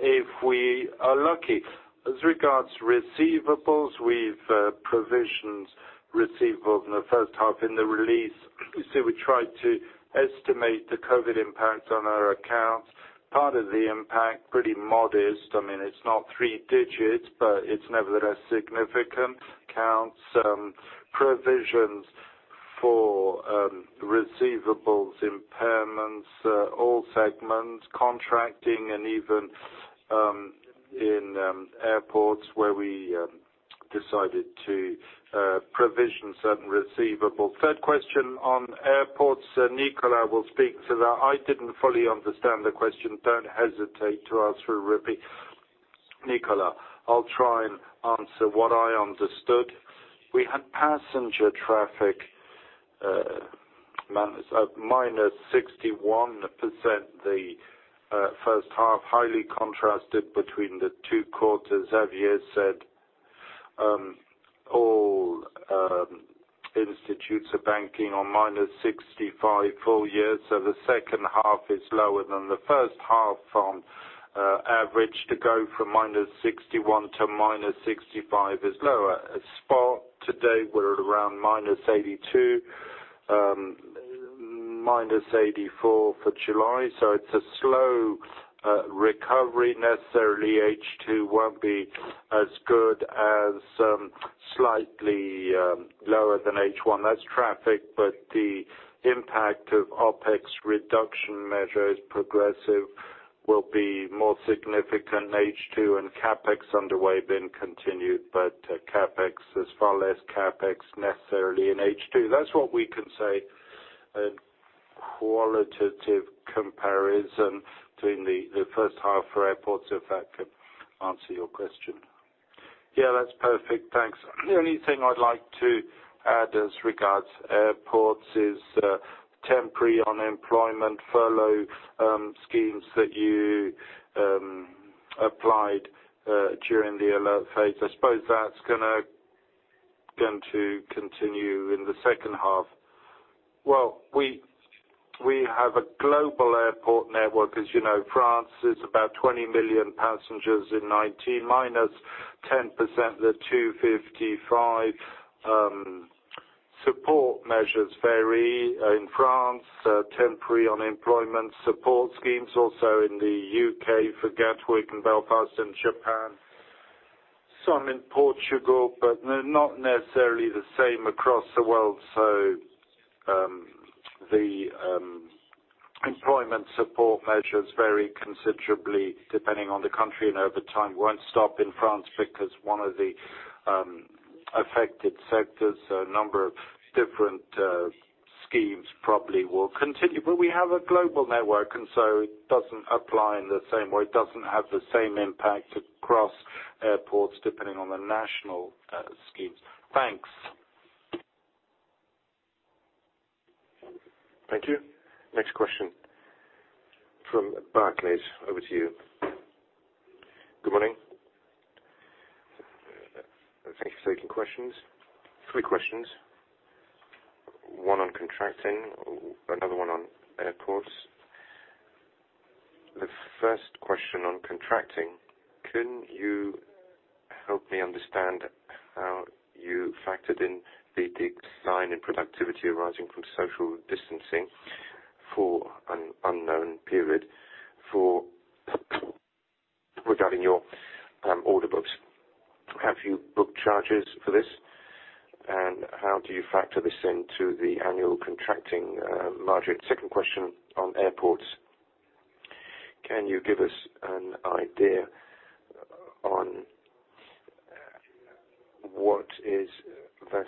if we are lucky. As regards receivables, we've provisions receivable in the first half. In the release, you see we tried to estimate the COVID impact on our accounts. Part of the impact, pretty modest. It's not three digits, it's nevertheless significant. Accounts, provisions for receivables, impairments, all segments, contracting, and even in airports where we decided to provision certain receivables. Third question on airports, Nicolas will speak to that. I didn't fully understand the question. Don't hesitate to ask for a repeat. Nicolas. I'll try and answer what I understood. We had passenger traffic -61% the first half, highly contrasted between the two quarters. Xavier said all institutes are banking on minus 65 full year. The second half is lower than the first half on average. To go from -61 to -65 is lower. As for today, we're at around -82. -84 for July. It's a slow recovery, necessarily H2 won't be as good as, slightly lower than H1. That's traffic, the impact of OpEx reduction measures progressive will be more significant in H2 and CapEx underway continued, CapEx is far less CapEx necessarily in H2. That's what we can say. A qualitative comparison between the first half for airports, if that could answer your question. Yeah, that's perfect. Thanks. The only thing I'd like to add as regards airports is temporary unemployment furlough schemes that you applied during the alert phase. I suppose that's going to continue in the second half. Well, we have a global airport network. As you know, France is about 20 million passengers in 2019, -10%, the 255. Support measures vary in France, temporary unemployment support schemes, also in the U.K. for Gatwick and Belfast and Japan, some in Portugal, but not necessarily the same across the world. The employment support measures vary considerably depending on the country and over time. Won't stop in France because one of the affected sectors, a number of different schemes probably will continue. We have a global network, and so it doesn't apply in the same way, it doesn't have the same impact across airports depending on the national schemes. Thanks. Thank you. Next question from Barclays. Over to you. Good morning. Thank you for taking questions. Three questions, one on contracting, another one on airports. The first question on contracting, can you help me understand how you factored in the decline in productivity arising from social distancing for an unknown period regarding your order books? Have you booked charges for this, and how do you factor this into the annual contracting margin? Second question on airports, can you give us an idea on what is VINCI's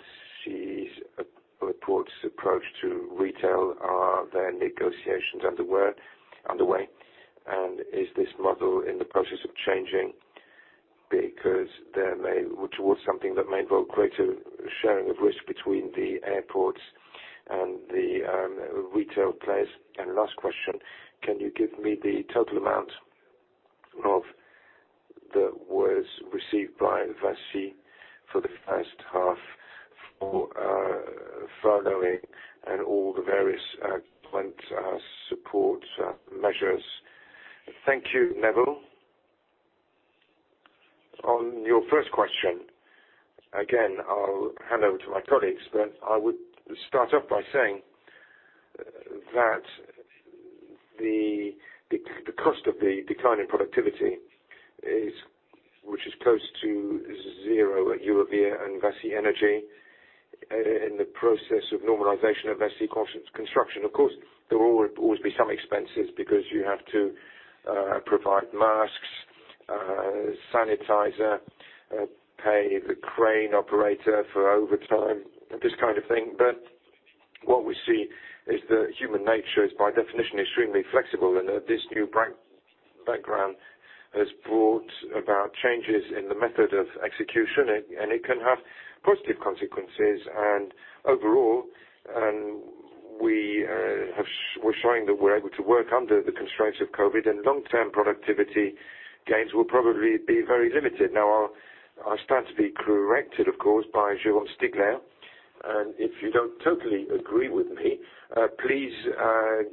airports approach to retail? Are there negotiations underway? Is this model in the process of changing because they may move towards something that may involve greater sharing of risk between the airports and the retail players? Last question, can you give me the total amount that was received by VINCI for the first half for furloughing and all the various plant support measures? Thank you, Nabil. On your first question, again, I'll hand over to my colleagues, but I would start off by saying that the cost of the decline in productivity, which is close to zero at Eurovia and VINCI Energies in the process of normalization of VINCI Construction. Of course, there will always be some expenses because you have to provide masks, sanitizer, pay the crane operator for overtime, this kind of thing. Overall, we're showing that we're able to work under the constraints of COVID, and long-term productivity gains will probably be very limited. Now, I'll start to be corrected, of course, by Jérôme Stubler. If you don't totally agree with me, please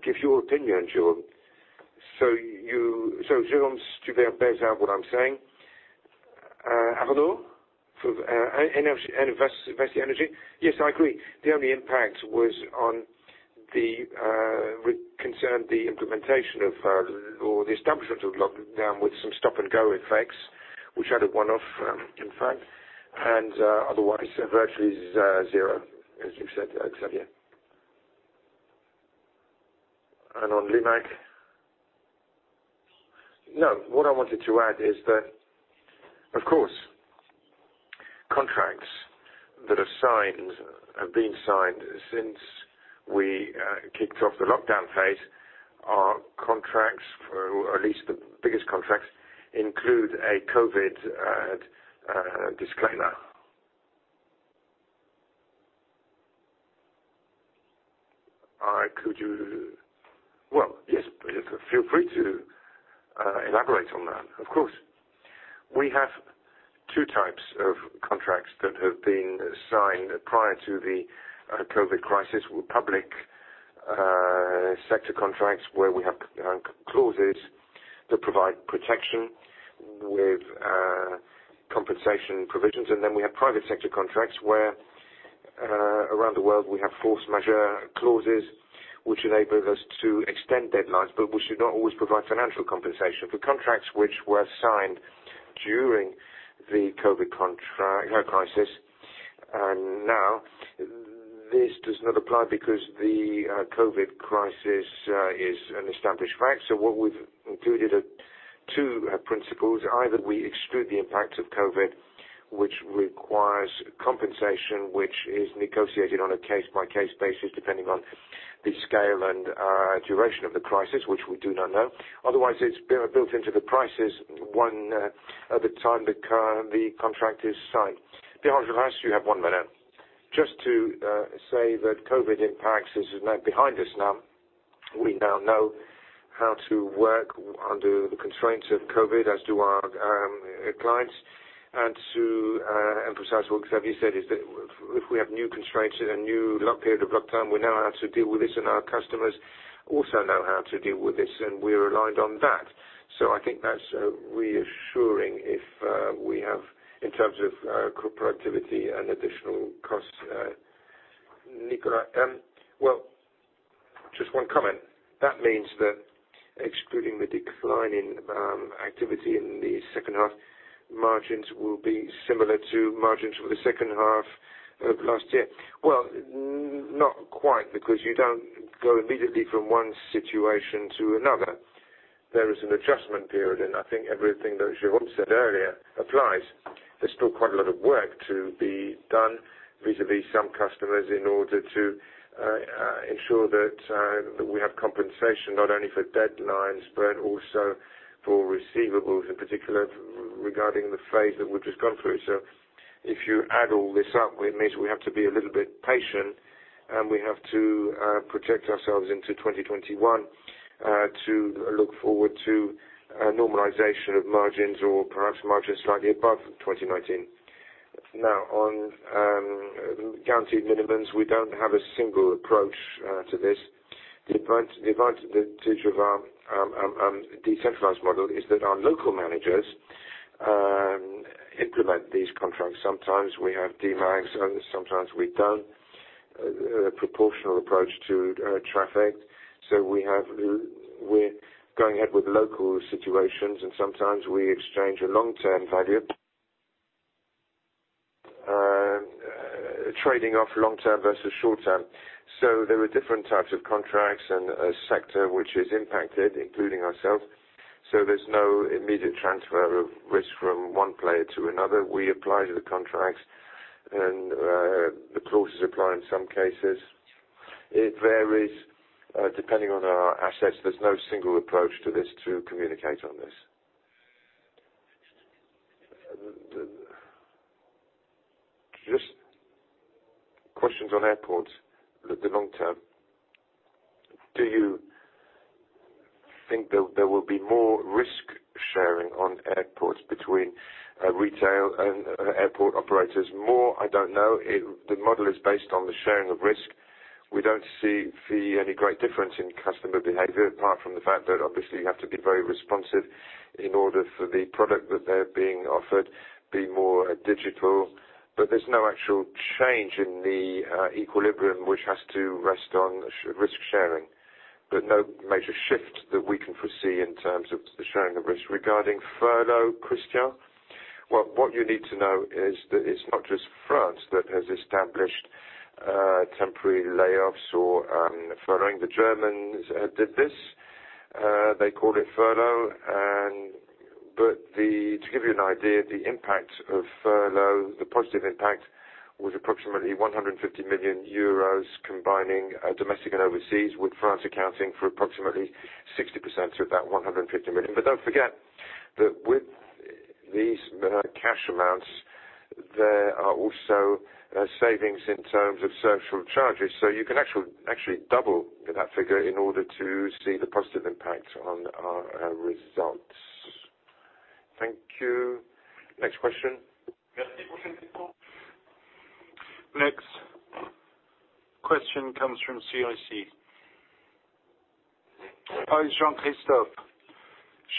give your opinion, Jérôme. Jérôme Stubler bears out what I'm saying. Arnaud, for VINCI Energies? Yes, I agree. The only impact concerned the implementation or the establishment of lockdown with some stop-and-go effects, which had a one-off, in fact, and otherwise virtually zero, as you said, Xavier. On Limag? No, what I wanted to add is that, of course, contracts that are signed, have been signed since we kicked off the lockdown phase, are contracts, or at least the biggest contracts, include a COVID disclaimer. Well, yes, feel free to elaborate on that, of course. We have two types of contracts that have been signed prior to the COVID crisis with public sector contracts where we have clauses that provide protection. With compensation provisions. We have private sector contracts where around the world we have force majeure clauses, which enable us to extend deadlines, but which do not always provide financial compensation for contracts which were signed during the COVID crisis. This does not apply because the COVID crisis is an established fact. What we've included are two principles. Either we exclude the impact of COVID, which requires compensation, which is negotiated on a case-by-case basis, depending on the scale and duration of the crisis, which we do not know. Otherwise, it's built into the prices one at a time, the contract is signed. Behind the rest, you have one minute. Just to say that COVID impacts is now behind us now. We now know how to work under the constraints of COVID, as do our clients. To emphasize what Xavier said, is that if we have new constraints and a new period of lockdown, we now have to deal with this, and our customers also know how to deal with this, and we relied on that. I think that's reassuring if we have, in terms of productivity and additional costs. Nicolas. Just one comment. That means that excluding the decline in activity in the second half, margins will be similar to margins for the second half of last year. Not quite, because you don't go immediately from one situation to another. There is an adjustment period, and I think everything that Jérôme said earlier applies. There's still quite a lot of work to be done vis-à-vis some customers in order to ensure that we have compensation not only for deadlines but also for receivables, in particular regarding the phase that we've just gone through. If you add all this up, it means we have to be a little bit patient, and we have to protect ourselves into 2021 to look forward to a normalization of margins or perhaps margins slightly above 2019. On guaranteed minimums, we don't have a single approach to this. The advantage of our decentralized model is that our local managers implement these contracts. Sometimes we have demands and sometimes we don't. A proportional approach to traffic. We're going ahead with local situations, and sometimes we exchange a long-term value, trading off long term versus short term. There are different types of contracts and a sector which is impacted, including ourselves. There's no immediate transfer of risk from one player to another. We apply to the contracts, and the clauses apply in some cases. It varies depending on our assets. There's no single approach to this to communicate on this. Just questions on airports, the long term. Do you think there will be more risk-sharing on airports between retail and airport operators more? I don't know. The model is based on the sharing of risk. We don't see any great difference in customer behavior, apart from the fact that obviously you have to be very responsive in order for the product that they're being offered be more digital. There's no actual change in the equilibrium, which has to rest on risk-sharing. No major shift that we can foresee in terms of the sharing of risk. Regarding furlough, Christian? What you need to know is that it's not just France that has established temporary layoffs or furloughing. The Germans did this, they called it furlough. To give you an idea, the impact of furlough, the positive impact, was approximately 150 million euros, combining domestic and overseas, with France accounting for approximately 60% of that 150 million. Don't forget that with these cash amounts, there are also savings in terms of social charges. You can actually double that figure in order to see the positive impact on our results. Thank you. Next question. Next question comes from CIC. Jean-Christophe.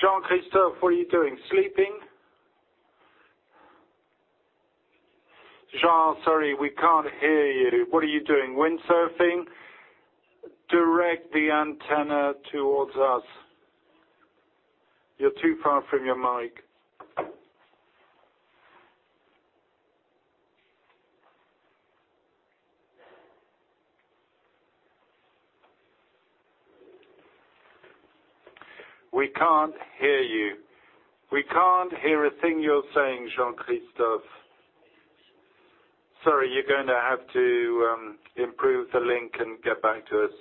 Jean-Christophe, what are you doing, sleeping? Jean, sorry, we can't hear you. What are you doing, windsurfing? Direct the antenna towards us. You're too far from your mic. We can't hear you. We can't hear a thing you're saying, Jean-Christophe. Sorry, you're going to have to improve the link and get back to us.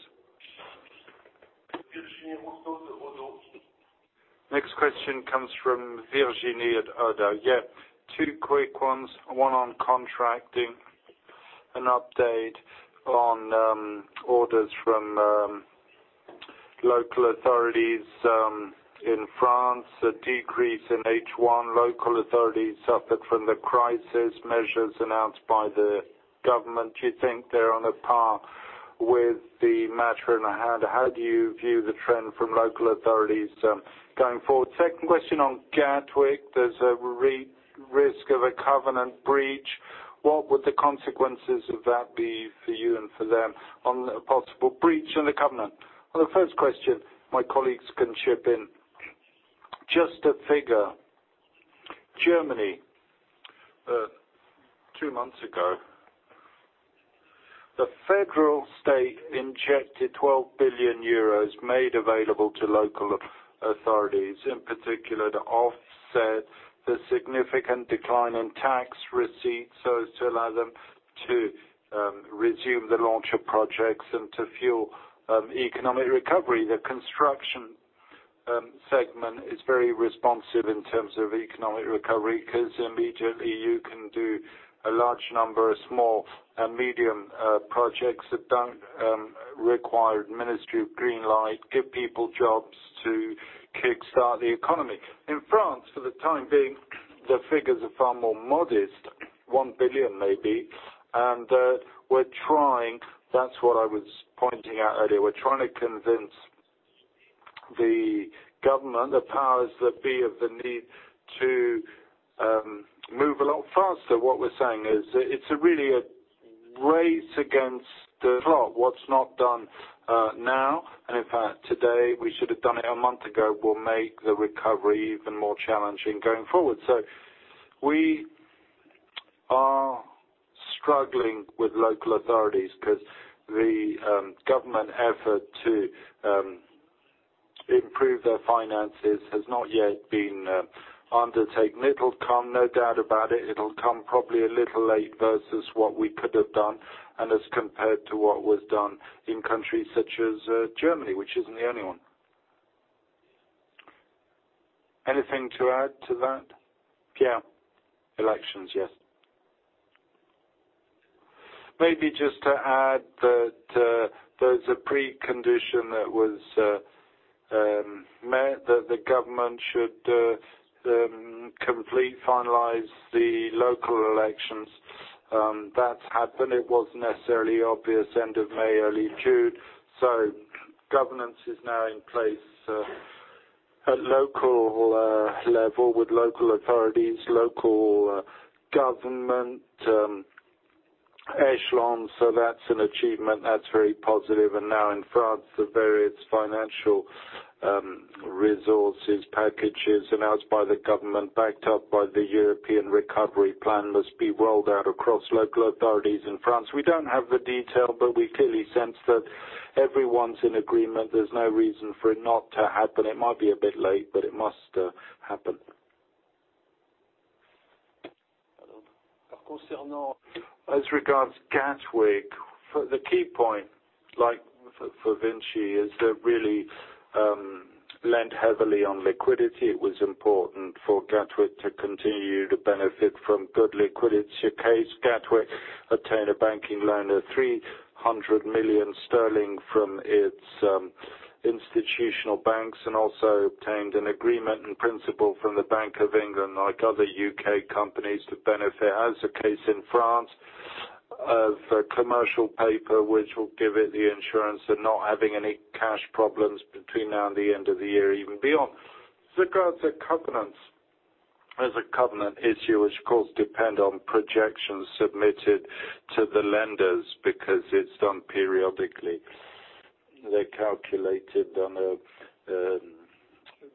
Next question comes from Virginie at ODDO. Yeah. Two quick ones, one on contracting, an update on orders from local authorities in France, a decrease in H1. Local authorities suffered from the crisis measures announced by the government. Do you think they're on a par with the matter in hand, how do you view the trend from local authorities going forward? Second question on Gatwick, there's a risk of a covenant breach. What would the consequences of that be for you and for them on the possible breach of the covenant? On the first question, my colleagues can chip in. Just a figure. Germany, two months ago, the federal state injected 12 billion euros made available to local authorities, in particular to offset the significant decline in tax receipts so as to allow them to resume the launch of projects and to fuel economic recovery. The construction segment is very responsive in terms of economic recovery because immediately you can do a large number of small and medium projects that don't require ministry of green light, give people jobs to kickstart the economy. In France, for the time being, the figures are far more modest, 1 billion maybe. We're trying, that's what I was pointing out earlier. We're trying to convince the government, the powers that be, of the need to move a lot faster. What we're saying is, it's really a race against the clock. What's not done now, and in fact, today, we should have done it a month ago, will make the recovery even more challenging going forward. We are struggling with local authorities because the government effort to improve their finances has not yet been undertaken. It'll come, no doubt about it. It'll come probably a little late versus what we could have done, and as compared to what was done in countries such as Germany, which isn't the only one. Anything to add to that? Pierre? Elections, yes. Maybe just to add that there's a precondition that was met that the government should complete finalize the local elections. That's happened. It wasn't necessarily obvious end of May, early June. Governance is now in place at local level with local authorities, local government echelons. That's an achievement. That's very positive. Now in France, the various financial resources, packages announced by the government, backed up by the European Recovery Plan, must be rolled out across local authorities in France. We don't have the detail, but we clearly sense that everyone's in agreement. There's no reason for it not to happen. It might be a bit late, but it must happen. As regards Gatwick, the key point for VINCI is to really lend heavily on liquidity. It was important for Gatwick to continue to benefit from good liquidity. In case Gatwick obtain a banking loan of 300 million sterling from its institutional banks, and also obtained an agreement in principle from the Bank of England, like other U.K. companies, to benefit. As the case in France, of commercial paper, which will give it the insurance of not having any cash problems between now and the end of the year, even beyond. Regards the covenants, there's a covenant issue which, of course, depends on projections submitted to the lenders because it's done periodically. They're calculated on a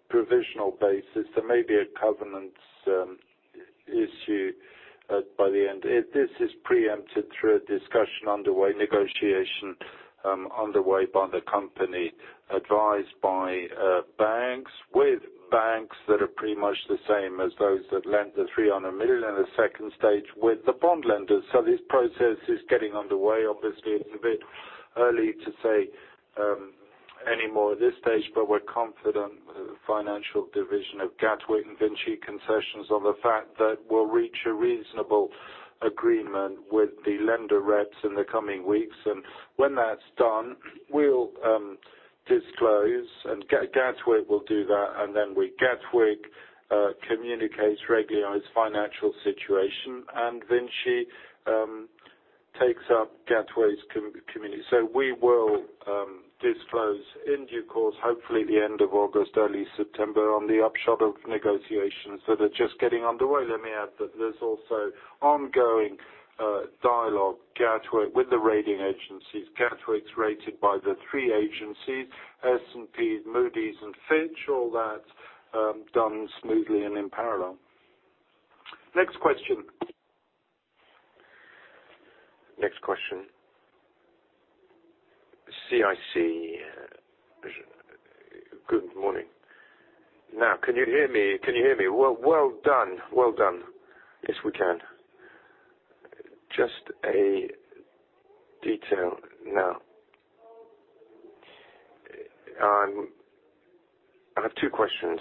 provisional basis. There may be a covenants issue by the end. This is preempted through a discussion underway, negotiation underway by the company, advised by banks, with banks that are pretty much the same as those that lent the 300 million in the second stage with the bond lenders. This process is getting underway. Obviously, it's a bit early to say any more at this stage, but we're confident the financial division of Gatwick and VINCI Concessions on the fact that we'll reach a reasonable agreement with the lender reps in the coming weeks. When that's done, we'll disclose, and Gatwick will do that, Gatwick communicates regularly on its financial situation. VINCI takes up Gatwick's communication. We will disclose in due course, hopefully the end of August, early September, on the upshot of negotiations that are just getting underway. Let me add that there's also ongoing dialogue, Gatwick with the rating agencies. Gatwick's rated by the three agencies, S&P, Moody's, and Fitch, all that done smoothly and in parallel. Next question. Next question. CIC. Good morning. Can you hear me? Well done. Yes, we can. Just a detail now. I have two questions.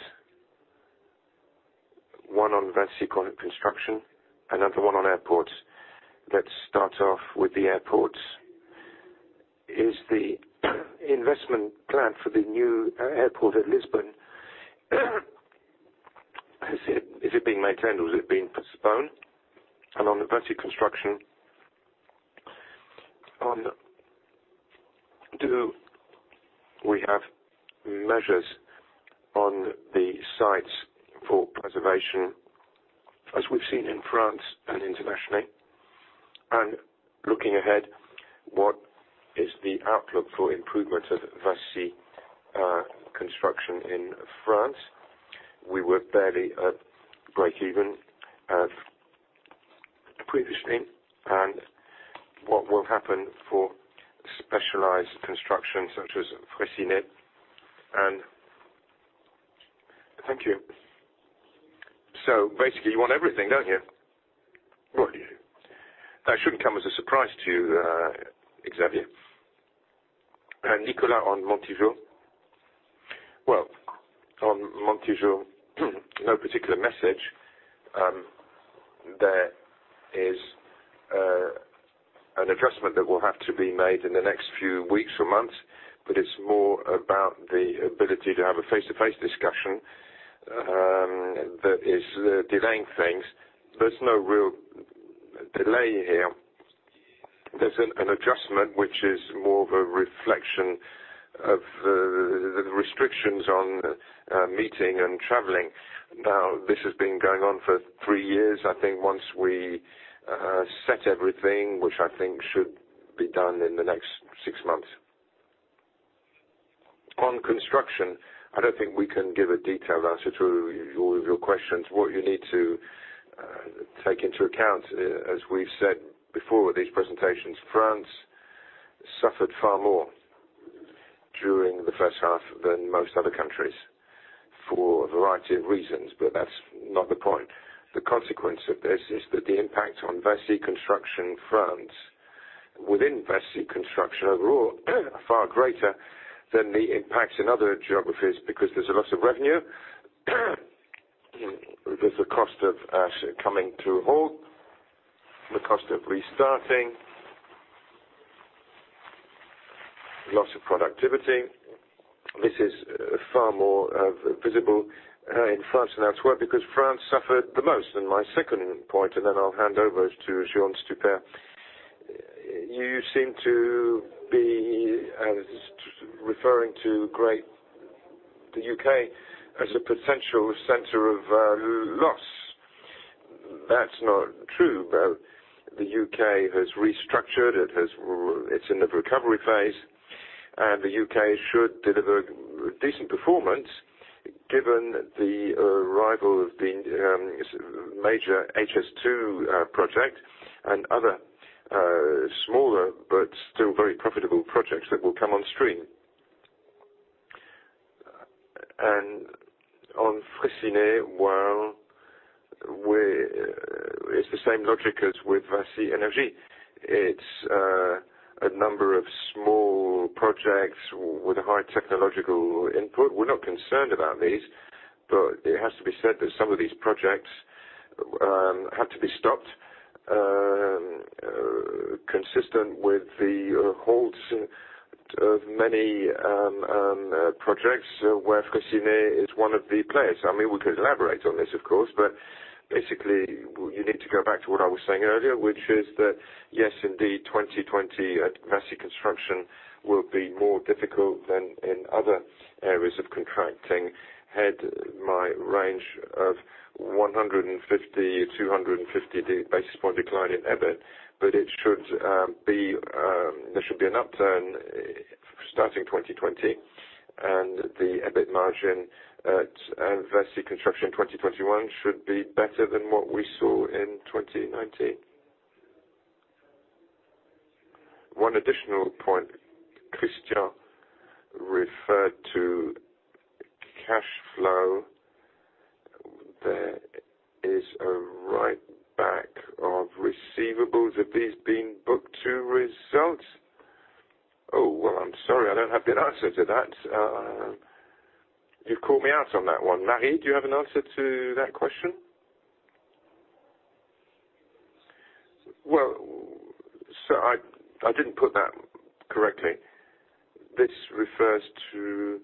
One on VINCI Construction, another one on airports. Let's start off with the airports. Is the investment plan for the new airport at Lisbon. Being maintained or is it being postponed? On the VINCI Construction, do we have measures on the sites for preservation, as we've seen in France and internationally? Looking ahead, what is the outlook for improvement of VINCI Construction in France? We were barely at breakeven previously. What will happen for specialized construction such as Freyssinet? Thank you. Basically, you want everything, don't you? Well, yes. That shouldn't come as a surprise to you, Xavier. Nicolas, on Montijo. Well, on Montijo, no particular message. There is an adjustment that will have to be made in the next few weeks or months, but it's more about the ability to have a face-to-face discussion that is delaying things. There's no real delay here. There's an adjustment which is more of a reflection of the restrictions on meeting and traveling. Now, this has been going on for three years. I think once we set everything, which I think should be done in the next six months. On construction, I don't think we can give a detailed answer to all of your questions. What you need to take into account, as we've said before with these presentations, France suffered far more during the first half than most other countries for a variety of reasons, but that's not the point. The consequence of this is that the impact on VINCI Construction France within VINCI Construction overall are far greater than the impacts in other geographies because there's a loss of revenue, there's the cost of coming to a halt, the cost of restarting, loss of productivity. This is far more visible in France, that's why, because France suffered the most. My second point, and then I'll hand over to Jérôme Stubler. You seem to be referring to the U.K. as a potential center of loss. That's not true. The U.K. has restructured. It's in the recovery phase, and the U.K. should deliver a decent performance given the arrival of the major HS2 project and other smaller but still very profitable projects that will come on stream. On Freyssinet, well, it's the same logic as with VINCI Energies. It's a number of small projects with a high technological input. We're not concerned about these, but it has to be said that some of these projects had to be stopped, consistent with the halts of many projects where Freyssinet is one of the players. We could elaborate on this, of course, but basically, you need to go back to what I was saying earlier, which is that, yes indeed, 2020 at VINCI Construction will be more difficult than in other areas of contracting, had my range of 150-250 basis point decline in EBIT. There should be an upturn starting 2020, and the EBIT margin at VINCI Construction 2021 should be better than what we saw in 2019. One additional point. Christian referred to cash flow. There is a write-back of receivables. Have these been booked to results? Well, I'm sorry. I don't have the answer to that. You've caught me out on that one. Marie, do you have an answer to that question? I didn't put that correctly. This refers to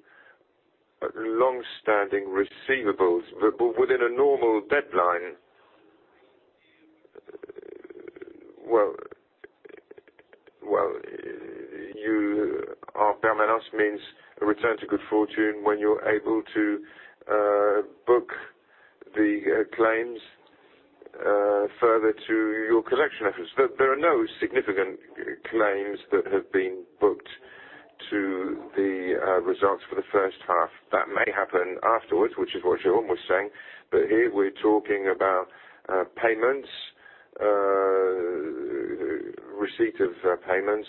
longstanding receivables, but within a normal deadline. Well, our permanence means a return to good fortune when you're able to book the claims further to your collection efforts. There are no significant claims that have been booked to the results for the first half. That may happen afterwards, which is what Jérôme was saying. Here, we're talking about payments, receipt of payments.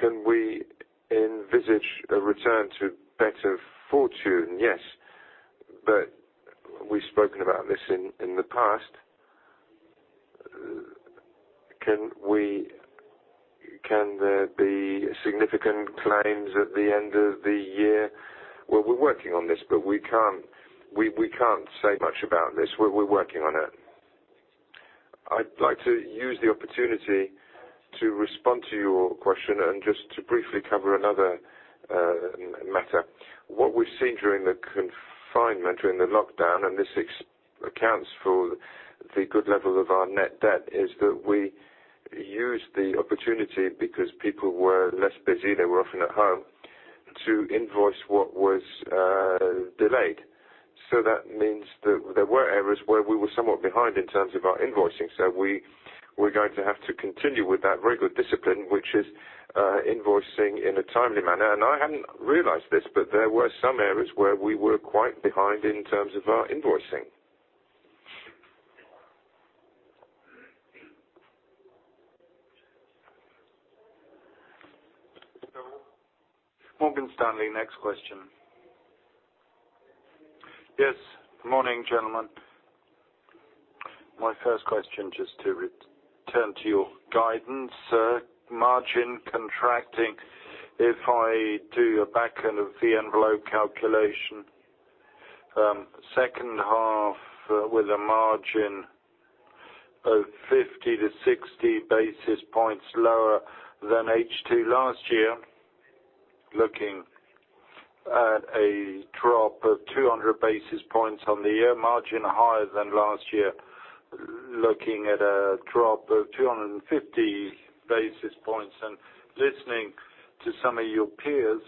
Can we envisage a return to better fortune? Yes, we've spoken about this in the past. Can there be significant claims at the end of the year? Well, we're working on this, we can't say much about this. We're working on it. I'd like to use the opportunity to respond to your question and just to briefly cover another matter. What we've seen during the confinement, during the lockdown, and this accounts for the good level of our net debt, is that we used the opportunity because people were less busy, they were often at home, to invoice what was delayed. That means that there were areas where we were somewhat behind in terms of our invoicing. We're going to have to continue with that very good discipline, which is invoicing in a timely manner. I hadn't realized this, but there were some areas where we were quite behind in terms of our invoicing. Morgan Stanley, next question. Yes. Morning, gentlemen. My first question, just to return to your guidance, sir. Margin contracting, if I do a back end of the envelope calculation, second half with a margin of 50-60 basis points lower than H2 last year, looking at a drop of 200 basis points on the year margin higher than last year, looking at a drop of 250 basis points. Listening to some of your peers,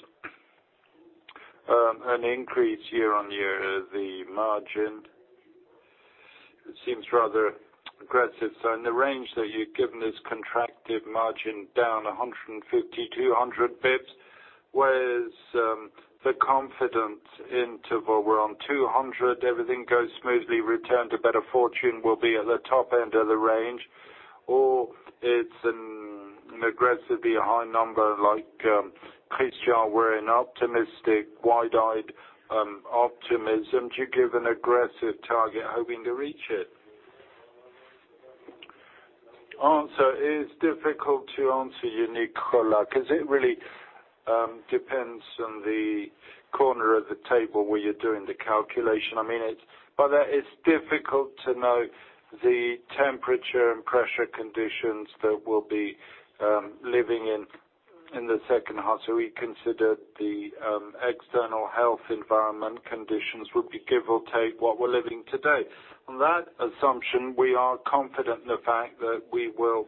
an increase year-on-year, the margin seems rather aggressive. In the range that you've given this contracted margin down 150-200 basis points, where's the confidence interval? We're on 200, everything goes smoothly, return to better fortune will be at the top end of the range, or it's an aggressively high number like Christian, we're an optimistic wide-eyed optimism to give an aggressive target hoping to reach it? It is difficult to answer you, Nicolas, because it really depends on the corner of the table where you're doing the calculation. It's difficult to know the temperature and pressure conditions that we'll be living in the second half. We consider the external health environment conditions would be give or take what we're living today. On that assumption, we are confident in the fact that we will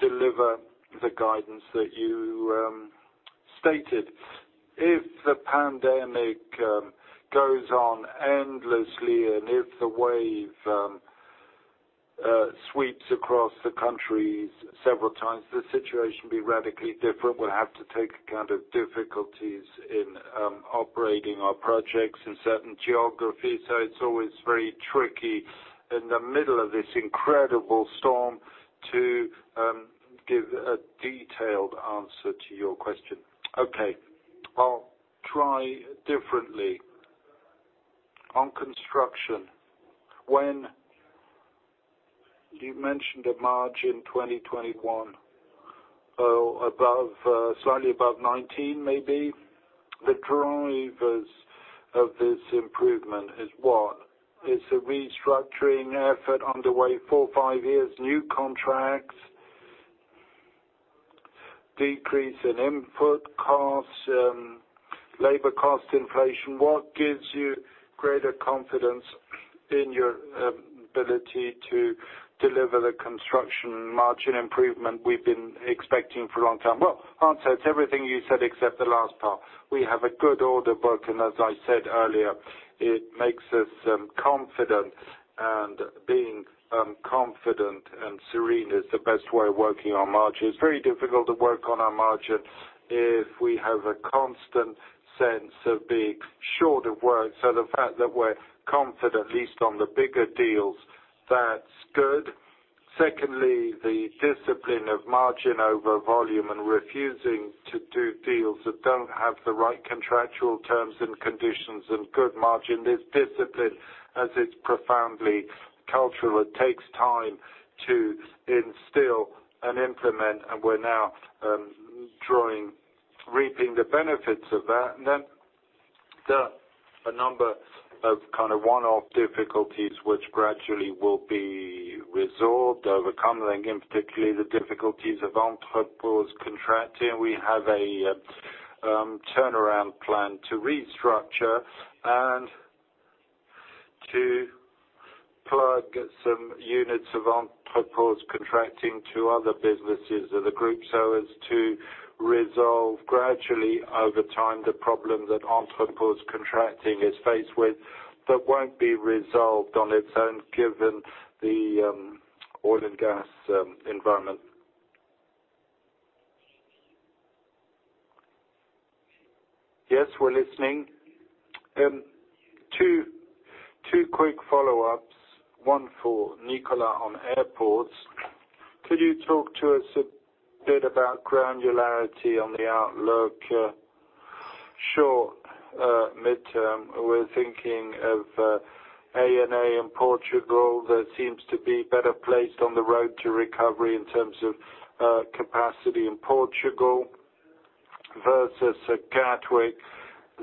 deliver the guidance that you stated. If the pandemic goes on endlessly, and if the wave sweeps across the countries several times, the situation will be radically different. We'll have to take account of difficulties in operating our projects in certain geographies. It's always very tricky in the middle of this incredible storm to give a detailed answer to your question. Okay. I'll try differently. On construction, when you mentioned a margin 2021, slightly above 2019, maybe, the drivers of this improvement is what? It's a restructuring effort underway four, five years, new contracts, decrease in input costs, labor cost inflation. What gives you greater confidence in your ability to deliver the construction margin improvement we've been expecting for a long time? Well, answer, it's everything you said except the last part. We have a good order book, and as I said earlier, it makes us confident, and being confident and serene is the best way of working our margin. It's very difficult to work on our margin if we have a constant sense of being short of work. The fact that we're confident, at least on the bigger deals. That's good. Secondly, the discipline of margin over volume and refusing to do deals that don't have the right contractual terms and conditions and good margin. This discipline, as it's profoundly cultural, it takes time to instill and implement, and we're now drawing, reaping the benefits of that. Then the number of kind of one-off difficulties which gradually will be resolved, overcome, and again, particularly the difficulties of Entrepose Contracting. We have a turnaround plan to restructure and to plug some units of Entrepose Contracting to other businesses of the group so as to resolve gradually over time the problem that Entrepose Contracting is faced with that won't be resolved on its own given the oil and gas environment. Yes, we're listening. Two quick follow-ups. One for Nicolas on airports. Could you talk to us a bit about granularity on the outlook? Short, midterm, we're thinking of ANA in Portugal that seems to be better placed on the road to recovery in terms of capacity in Portugal. Versus Gatwick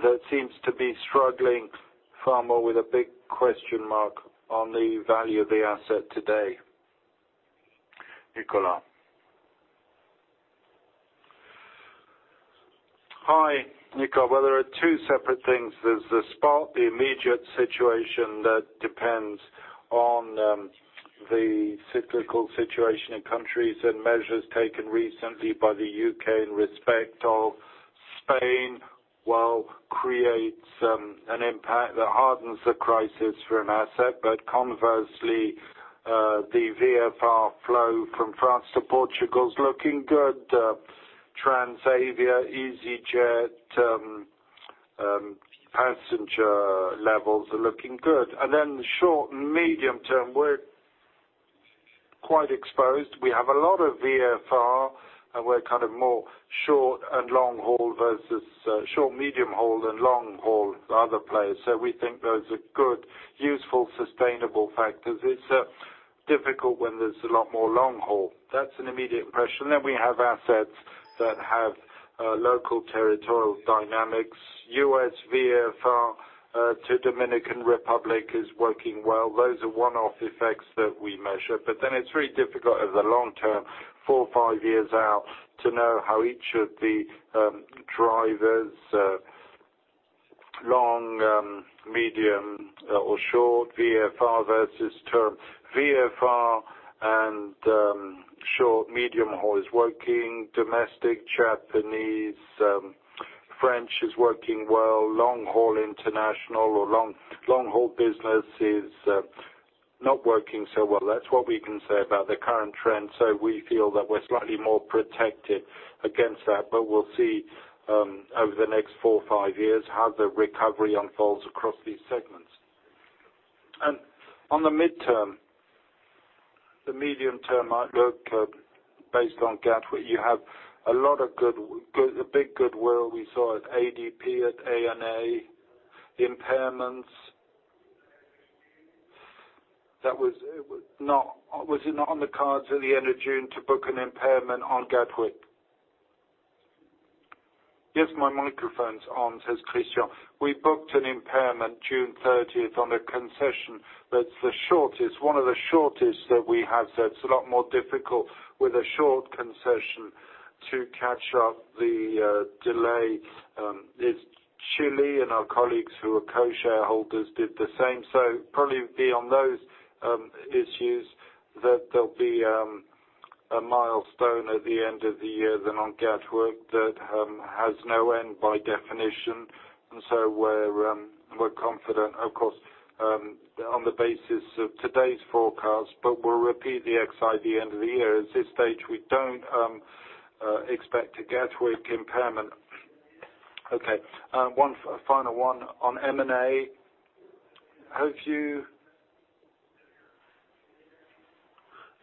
that seems to be struggling far more with a big question mark on the value of the asset today. Nicolas. Hi, Nicolas. Well, there are two separate things. There's the spot, the immediate situation that depends on the cyclical situation in countries and measures taken recently by the U.K. in respect of Spain, while creates an impact that hardens the crisis for an asset. Conversely, the VFR flow from France to Portugal is looking good. Transavia, easyJet, passenger levels are looking good. The short and medium term, we're quite exposed. We have a lot of VFR, and we're more short and long-haul versus short medium-haul and long-haul other players. We think those are good, useful, sustainable factors. It's difficult when there's a lot more long haul. That's an immediate pressure. We have assets that have local territorial dynamics. U.S. VFR to Dominican Republic is working well. Those are one-off effects that we measure. It's very difficult over the long term, four, five years out, to know how each of the drivers, long, medium, or short VFR versus term VFR and short medium-haul is working. Domestic, Japanese, French is working well. Long-haul international or long-haul business is not working so well. That's what we can say about the current trend. We feel that we're slightly more protected against that. We'll see over the next four or five years how the recovery unfolds across these segments. On the mid-term, the medium-term outlook based on Gatwick, you have a big goodwill we saw at ADP, at ANA, the impairments. Was it not on the cards at the end of June to book an impairment on Gatwick? "Yes, my microphone's on," says Christian. We booked an impairment June 30th on a concession that's one of the shortest that we have. It's a lot more difficult with a short concession to catch up the delay. It's Chile and our colleagues who are co-shareholders did the same. Probably it would be on those issues that there'll be a milestone at the end of the year then on Gatwick that has no end by definition. We're confident, of course, on the basis of today's forecast, but we'll repeat the exercise at the end of the year. At this stage, we don't expect a Gatwick impairment. Okay. One final one on M&A. Have you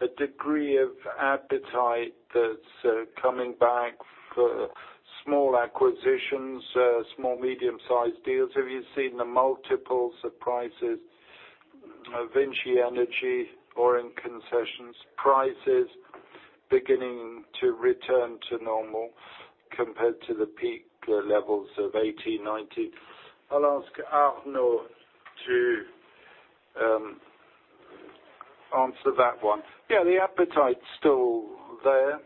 a degree of appetite that's coming back for small acquisitions, small, medium-sized deals? Have you seen the multiples of prices of VINCI Energies or in concessions prices beginning to return to normal compared to the peak levels of 2018, 2019? I'll ask Arnaud to answer that one. Yeah, the appetite's still there,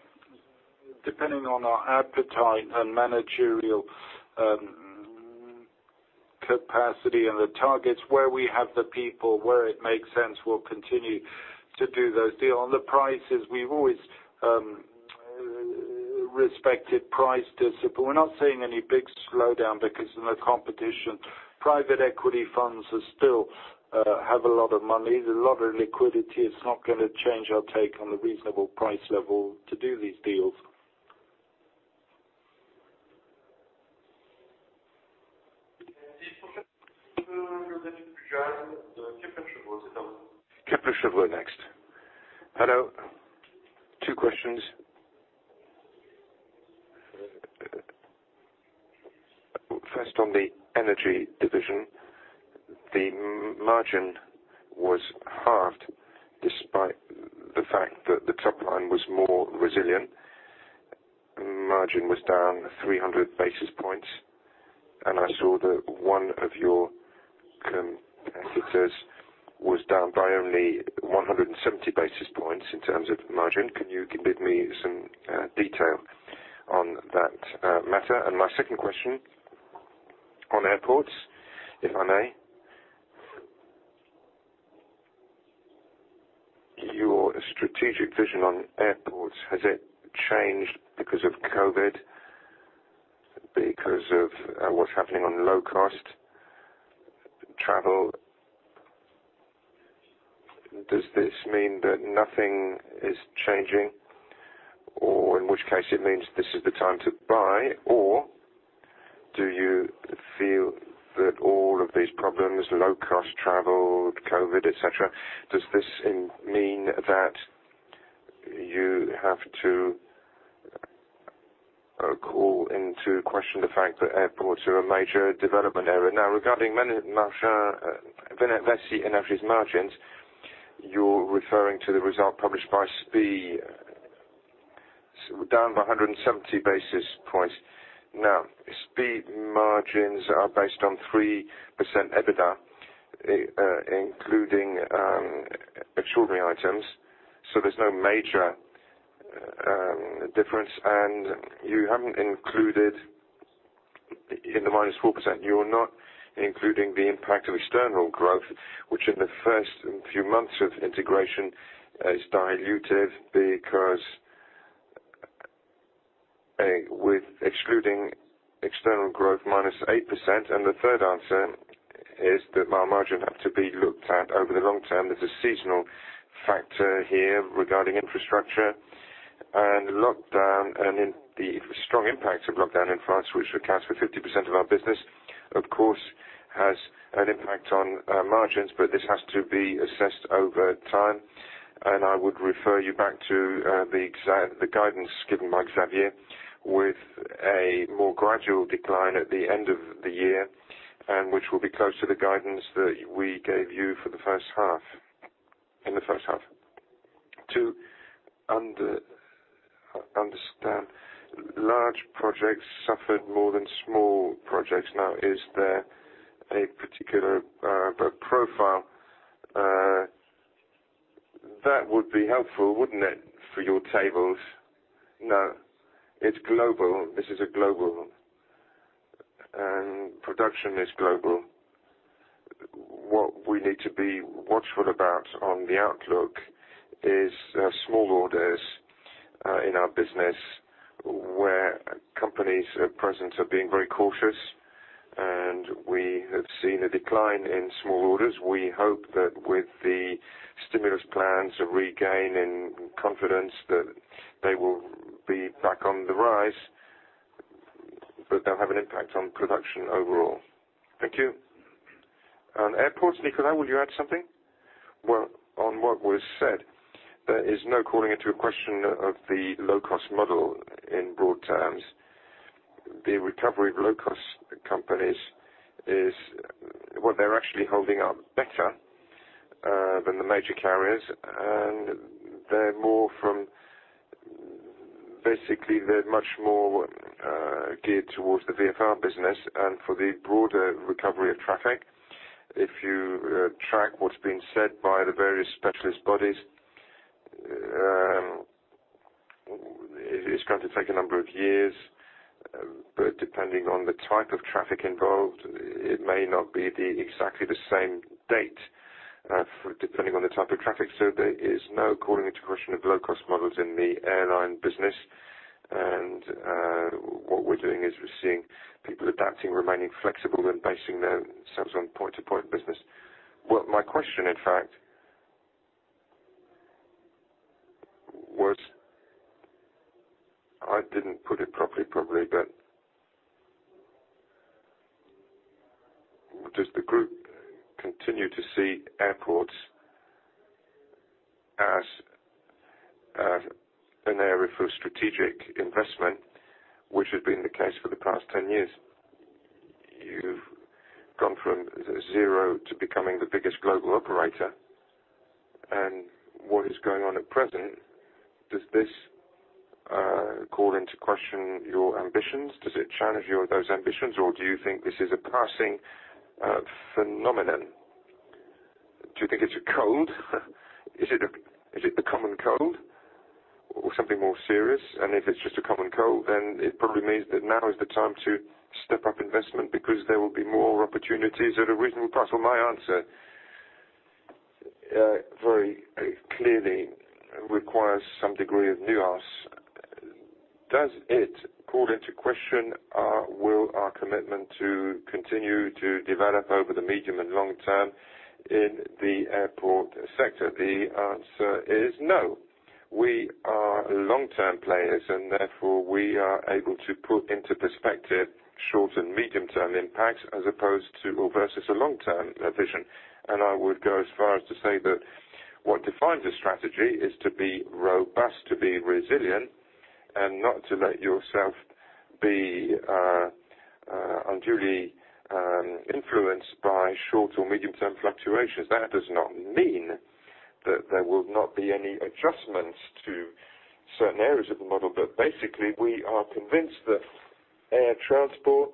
depending on our appetite and managerial capacity and the targets. Where we have the people, where it makes sense, we'll continue to do those deals. On the prices, we've always respected price discipline. We're not seeing any big slowdown because there's no competition. Private equity funds still have a lot of money. There's a lot of liquidity. It's not going to change our take on the reasonable price level to do these deals. Kepler Cheuvreux next. Hello, two questions. First on the energy division, the margin was halved despite the fact that the top line was more resilient. Margin was down 300 basis points. I saw that one of your competitors was down by only 170 basis points in terms of margin. Can you give me some detail on that matter? My second question on airports, if I may. Your strategic vision on airports, has it changed because of COVID? Because of what's happening on low-cost travel? Does this mean that nothing is changing? In which case it means this is the time to buy? Do you feel that all of these problems, low-cost travel, COVID, et cetera, does this mean that you have to call into question the fact that airports are a major development area? Now, regarding VINCI Energies margins. You're referring to the result published by S&P, down by 170 basis points. S&P margins are based on 3% EBITDA, including extraordinary items. There's no major difference. You haven't included in the -4%, you're not including the impact of external growth, which in the first few months of integration is dilutive because with excluding external growth, -8%. The third answer is that our margin have to be looked at over the long term. There's a seasonal factor here regarding infrastructure, and the strong impact of lockdown in France, which accounts for 50% of our business, of course, has an impact on margins, but this has to be assessed over time. I would refer you back to the guidance given by Xavier with a more gradual decline at the end of the year, which will be close to the guidance that we gave you in the first half. Two, understand large projects suffered more than small projects. Is there a particular profile? That would be helpful, wouldn't it, for your tables? No, it's global. This is global. Production is global. What we need to be watchful about on the outlook is small orders in our business, where companies at present are being very cautious, and we have seen a decline in small orders. We hope that with the stimulus plans, a regain in confidence, that they will be back on the rise, but they'll have an impact on production overall. Thank you. On airports, Nicolas, will you add something? Well, on what was said, there is no calling into question of the low-cost model in broad terms. The recovery of low-cost companies is what they're actually holding up better than the major carriers, and basically, they're much more geared towards the VFR business and for the broader recovery of traffic. If you track what's been said by the various specialist bodies, it's going to take a number of years, but depending on the type of traffic involved, it may not be exactly the same date, depending on the type of traffic. There is no calling into question of low-cost models in the airline business. What we're doing is we're seeing people adapting, remaining flexible, and basing themselves on point-to-point business. Well, my question, in fact, was. I didn't put it properly, probably, but does the group continue to see airports as an area for strategic investment, which has been the case for the past 10 years? You've gone from zero to becoming the biggest global operator. What is going on at present, does this call into question your ambitions? Does it challenge those ambitions, or do you think this is a passing phenomenon? Do you think it's a cold? Is it the common cold or something more serious? If it's just a common cold, then it probably means that now is the time to step up investment because there will be more opportunities at a reasonable price. Well, my answer very clearly requires some degree of nuance. Does it call into question our commitment to continue to develop over the medium and long term in the airport sector? The answer is no. We are long-term players, therefore, we are able to put into perspective short and medium-term impacts as opposed to or versus a long-term vision. I would go as far as to say that what defines a strategy is to be robust, to be resilient, and not to let yourself be unduly influenced by short or medium-term fluctuations. That does not mean that there will not be any adjustments to certain areas of the model, basically, we are convinced that air transport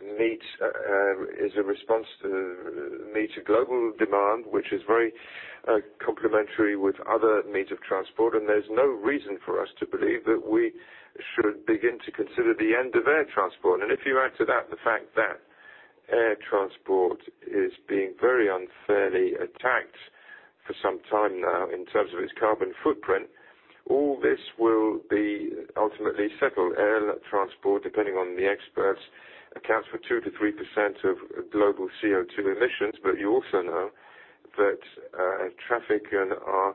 is a response to meet a global demand, which is very complementary with other means of transport, there's no reason for us to believe that we should begin to consider the end of air transport. If you add to that the fact that air transport is being very unfairly attacked for some time now in terms of its carbon footprint, all this will be ultimately settled. Air transport, depending on the experts, accounts for 2%-3% of global CO2 emissions. You also know that traffic and our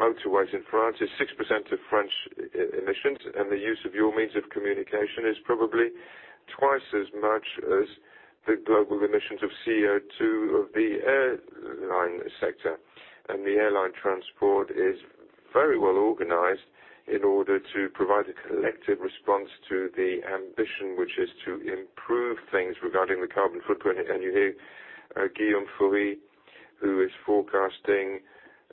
motorways in France is 6% of French emissions, and the use of your means of communication is probably twice as much as the global emissions of CO2 of the airline sector. The airline transport is very well organized in order to provide a collective response to the ambition, which is to improve things regarding the carbon footprint. You hear Guillaume Faury, who is forecasting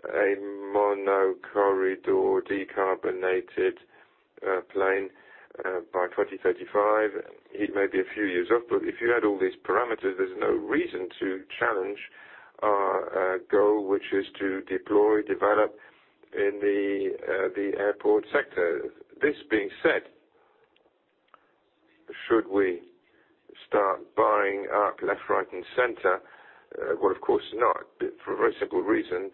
a mono corridor decarbonated plane by 2035. He may be a few years off, if you add all these parameters, there's no reason to challenge our goal, which is to deploy, develop in the airport sector. This being said, should we start buying up left, right, and center? Well, of course not. For a very simple reason.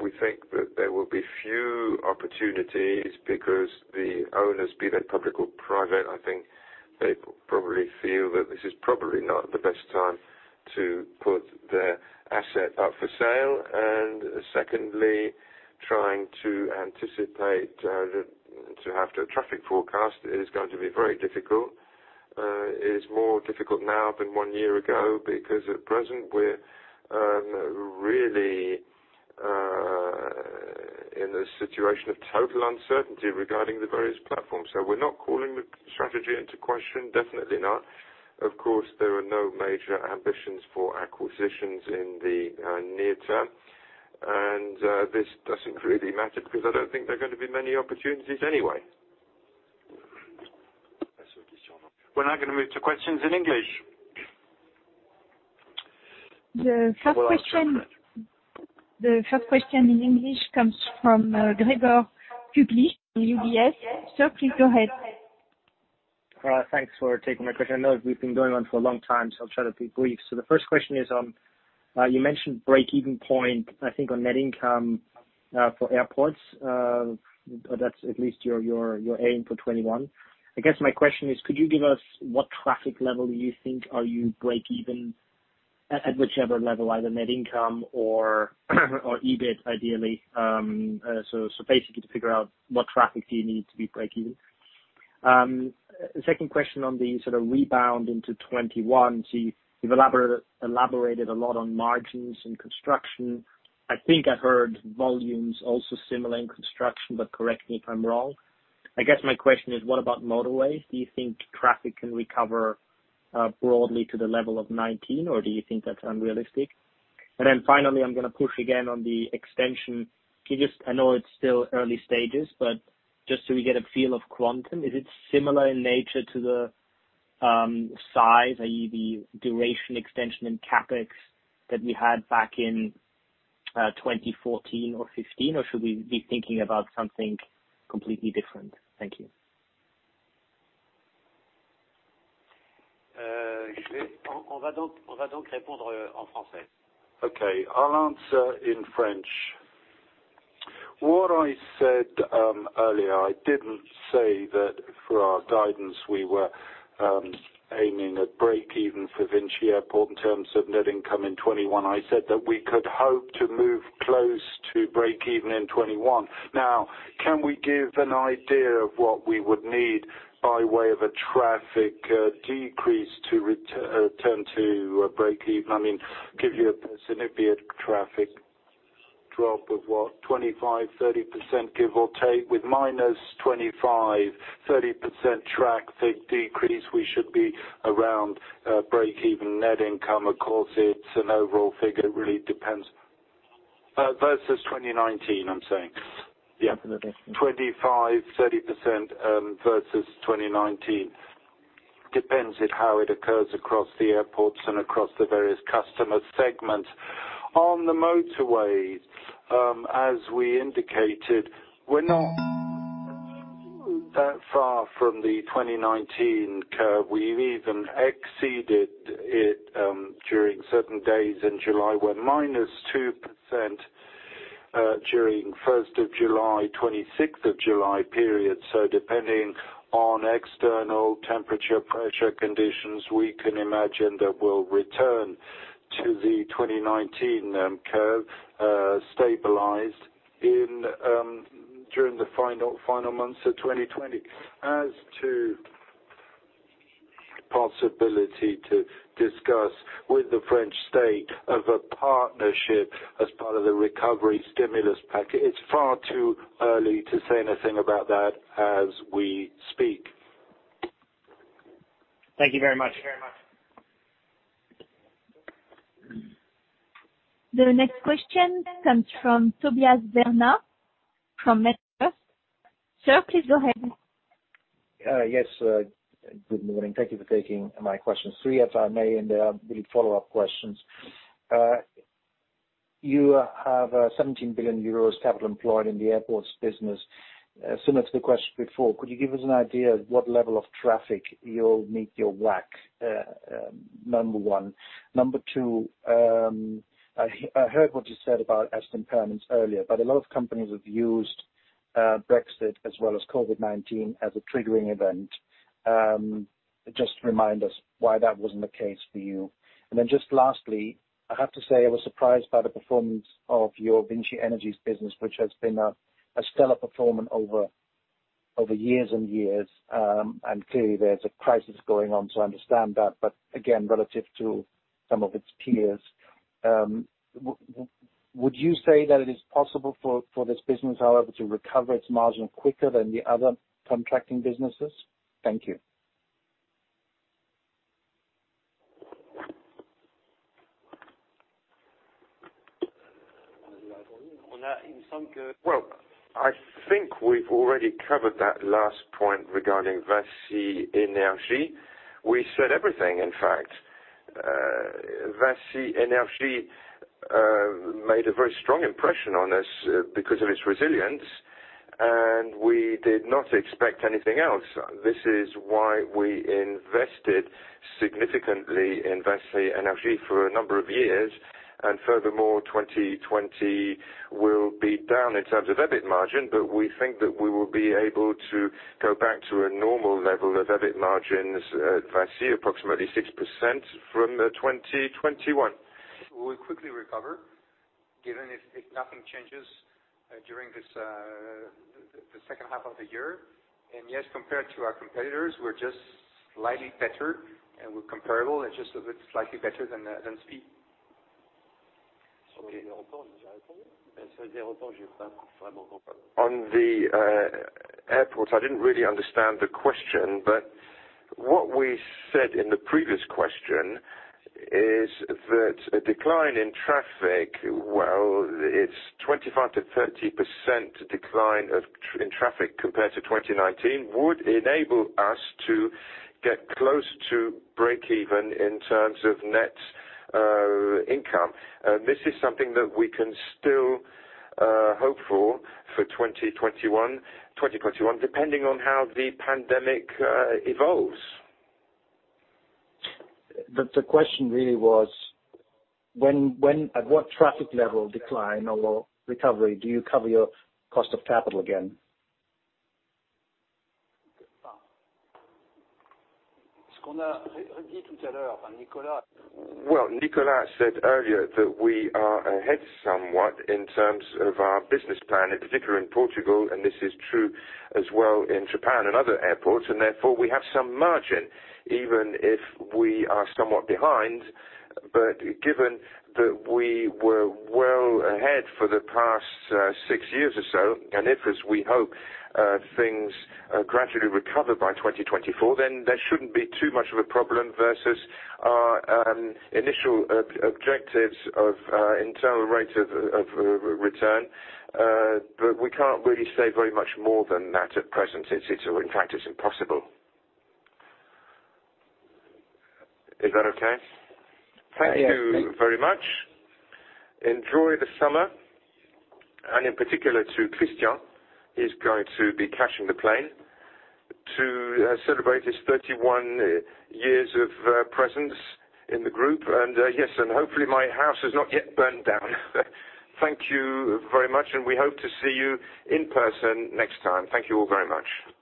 We think that there will be few opportunities because the owners, be they public or private, I think they probably feel that this is probably not the best time to put their asset up for sale. Secondly, trying to anticipate, to have the traffic forecast is going to be very difficult. It is more difficult now than one year ago because at present we're really in a situation of total uncertainty regarding the various platforms. We're not calling the strategy into question, definitely not. Of course, there are no major ambitions for acquisitions in the near term, and this doesn't really matter because I don't think there are going to be many opportunities anyway. We're now going to move to questions in English. The first question in English comes from Gregor Kuglitsch, UBS. Sir, please go ahead. Thanks for taking my question. I know we've been going on for a long time, so I'll try to be brief. The first question is on, you mentioned breakeven point, I think on net income for airports. That's at least your aim for 2021. I guess my question is, could you give us what traffic level you think are you breakeven at whichever level, either net income or EBIT, ideally. Basically to figure out what traffic do you need to be breakeven. Second question on the sort of rebound into 2021. You've elaborated a lot on margins and construction. I think I heard volumes also similar in construction, but correct me if I'm wrong. I guess my question is, what about motorways? Do you think traffic can recover broadly to the level of 2019, or do you think that's unrealistic? Finally, I'm going to push again on the extension. Can you just, I know it's still early stages, but just so we get a feel of quantum, is it similar in nature to the size, i.e. the duration extension and CapEx that we had back in 2014 or 2015, or should we be thinking about something completely different? Thank you. Okay, I'll answer in French. What I said earlier, I didn't say that for our guidance, we were aiming at breakeven for VINCI Airports in terms of net income in 2021. I said that we could hope to move close to breakeven in 2021. Can we give an idea of what we would need by way of a traffic decrease to return to breakeven? I mean, give you a percentage, it would be a traffic drop of what? 25%, 30% give or take. With -25%, -30% traffic decrease we should be around breakeven net income. Of course, it's an overall figure. It really depends. Versus 2019, I'm saying. Absolutely. 25, 30% versus 2019. Depends on how it occurs across the airports and across the various customer segments. On the motorways, as we indicated, we're not that far from the 2019 curve. We've even exceeded it during certain days in July. We're -2% during 1st of July, 26th of July period. Depending on external temperature, pressure conditions, we can imagine that we'll return to the 2019 curve, stabilized during the final months of 2020. As to possibility to discuss with the French State of a partnership as part of the recovery stimulus package, it's far too early to say anything about that as we speak. Thank you very much. The next question comes from Tobias Woerner from MainFirst. Sir, please go ahead. Yes. Good morning. Thank you for taking my questions. Three, if I may, they are really follow-up questions. You have 17 billion euros capital employed in the airports business. Similar to the question before, could you give us an idea of what level of traffic you'll meet your WACC? Number one. Number two, I heard what you said about asset impairments earlier, a lot of companies have used Brexit as well as COVID-19 as a triggering event. Just remind us why that wasn't the case for you. Just lastly, I have to say, I was surprised by the performance of your VINCI Energies business, which has been a stellar performance over years and years, clearly there's a crisis going on, I understand that, again, relative to some of its peers. Would you say that it is possible for this business, however, to recover its margin quicker than the other contracting businesses? Thank you. Well, I think we've already covered that last point regarding VINCI Energies. We said everything, in fact. VINCI Energies made a very strong impression on us because of its resilience, and we did not expect anything else. This is why we invested significantly in VINCI Energies for a number of years, and furthermore, 2020 will be down in terms of EBIT margin, but we think that we will be able to go back to a normal level of EBIT margins at VINCI, approximately 6% from 2021. We'll quickly recover, given if nothing changes during the second half of the year. Yes, compared to our competitors, we're just slightly better and we're comparable and just a bit slightly better than SPIE. Okay. On the airports, I didn't really understand the question, but what we said in the previous question is that a decline in traffic, well, it's 25%-30% decline in traffic compared to 2019 would enable us to get close to breakeven in terms of net income. This is something that we can still hope for 2021, depending on how the pandemic evolves. The question really was, at what traffic level decline or recovery do you cover your cost of capital again? Well, Nicolas said earlier that we are ahead somewhat in terms of our business plan, in particular in Portugal, and this is true as well in Japan and other airports, and therefore we have some margin even if we are somewhat behind. Given that we were well ahead for the past six years or so, and if, as we hope, things gradually recover by 2024, then there shouldn't be too much of a problem versus our initial objectives of internal rates of return. We can't really say very much more than that at present. In fact, it's impossible. Is that okay? Yes. Thank you very much. Enjoy the summer. In particular to Christian, he's going to be catching the plane to celebrate his 31 years of presence in the group. Yes, and hopefully my house has not yet burned down. Thank you very much, and we hope to see you in person next time. Thank you all very much.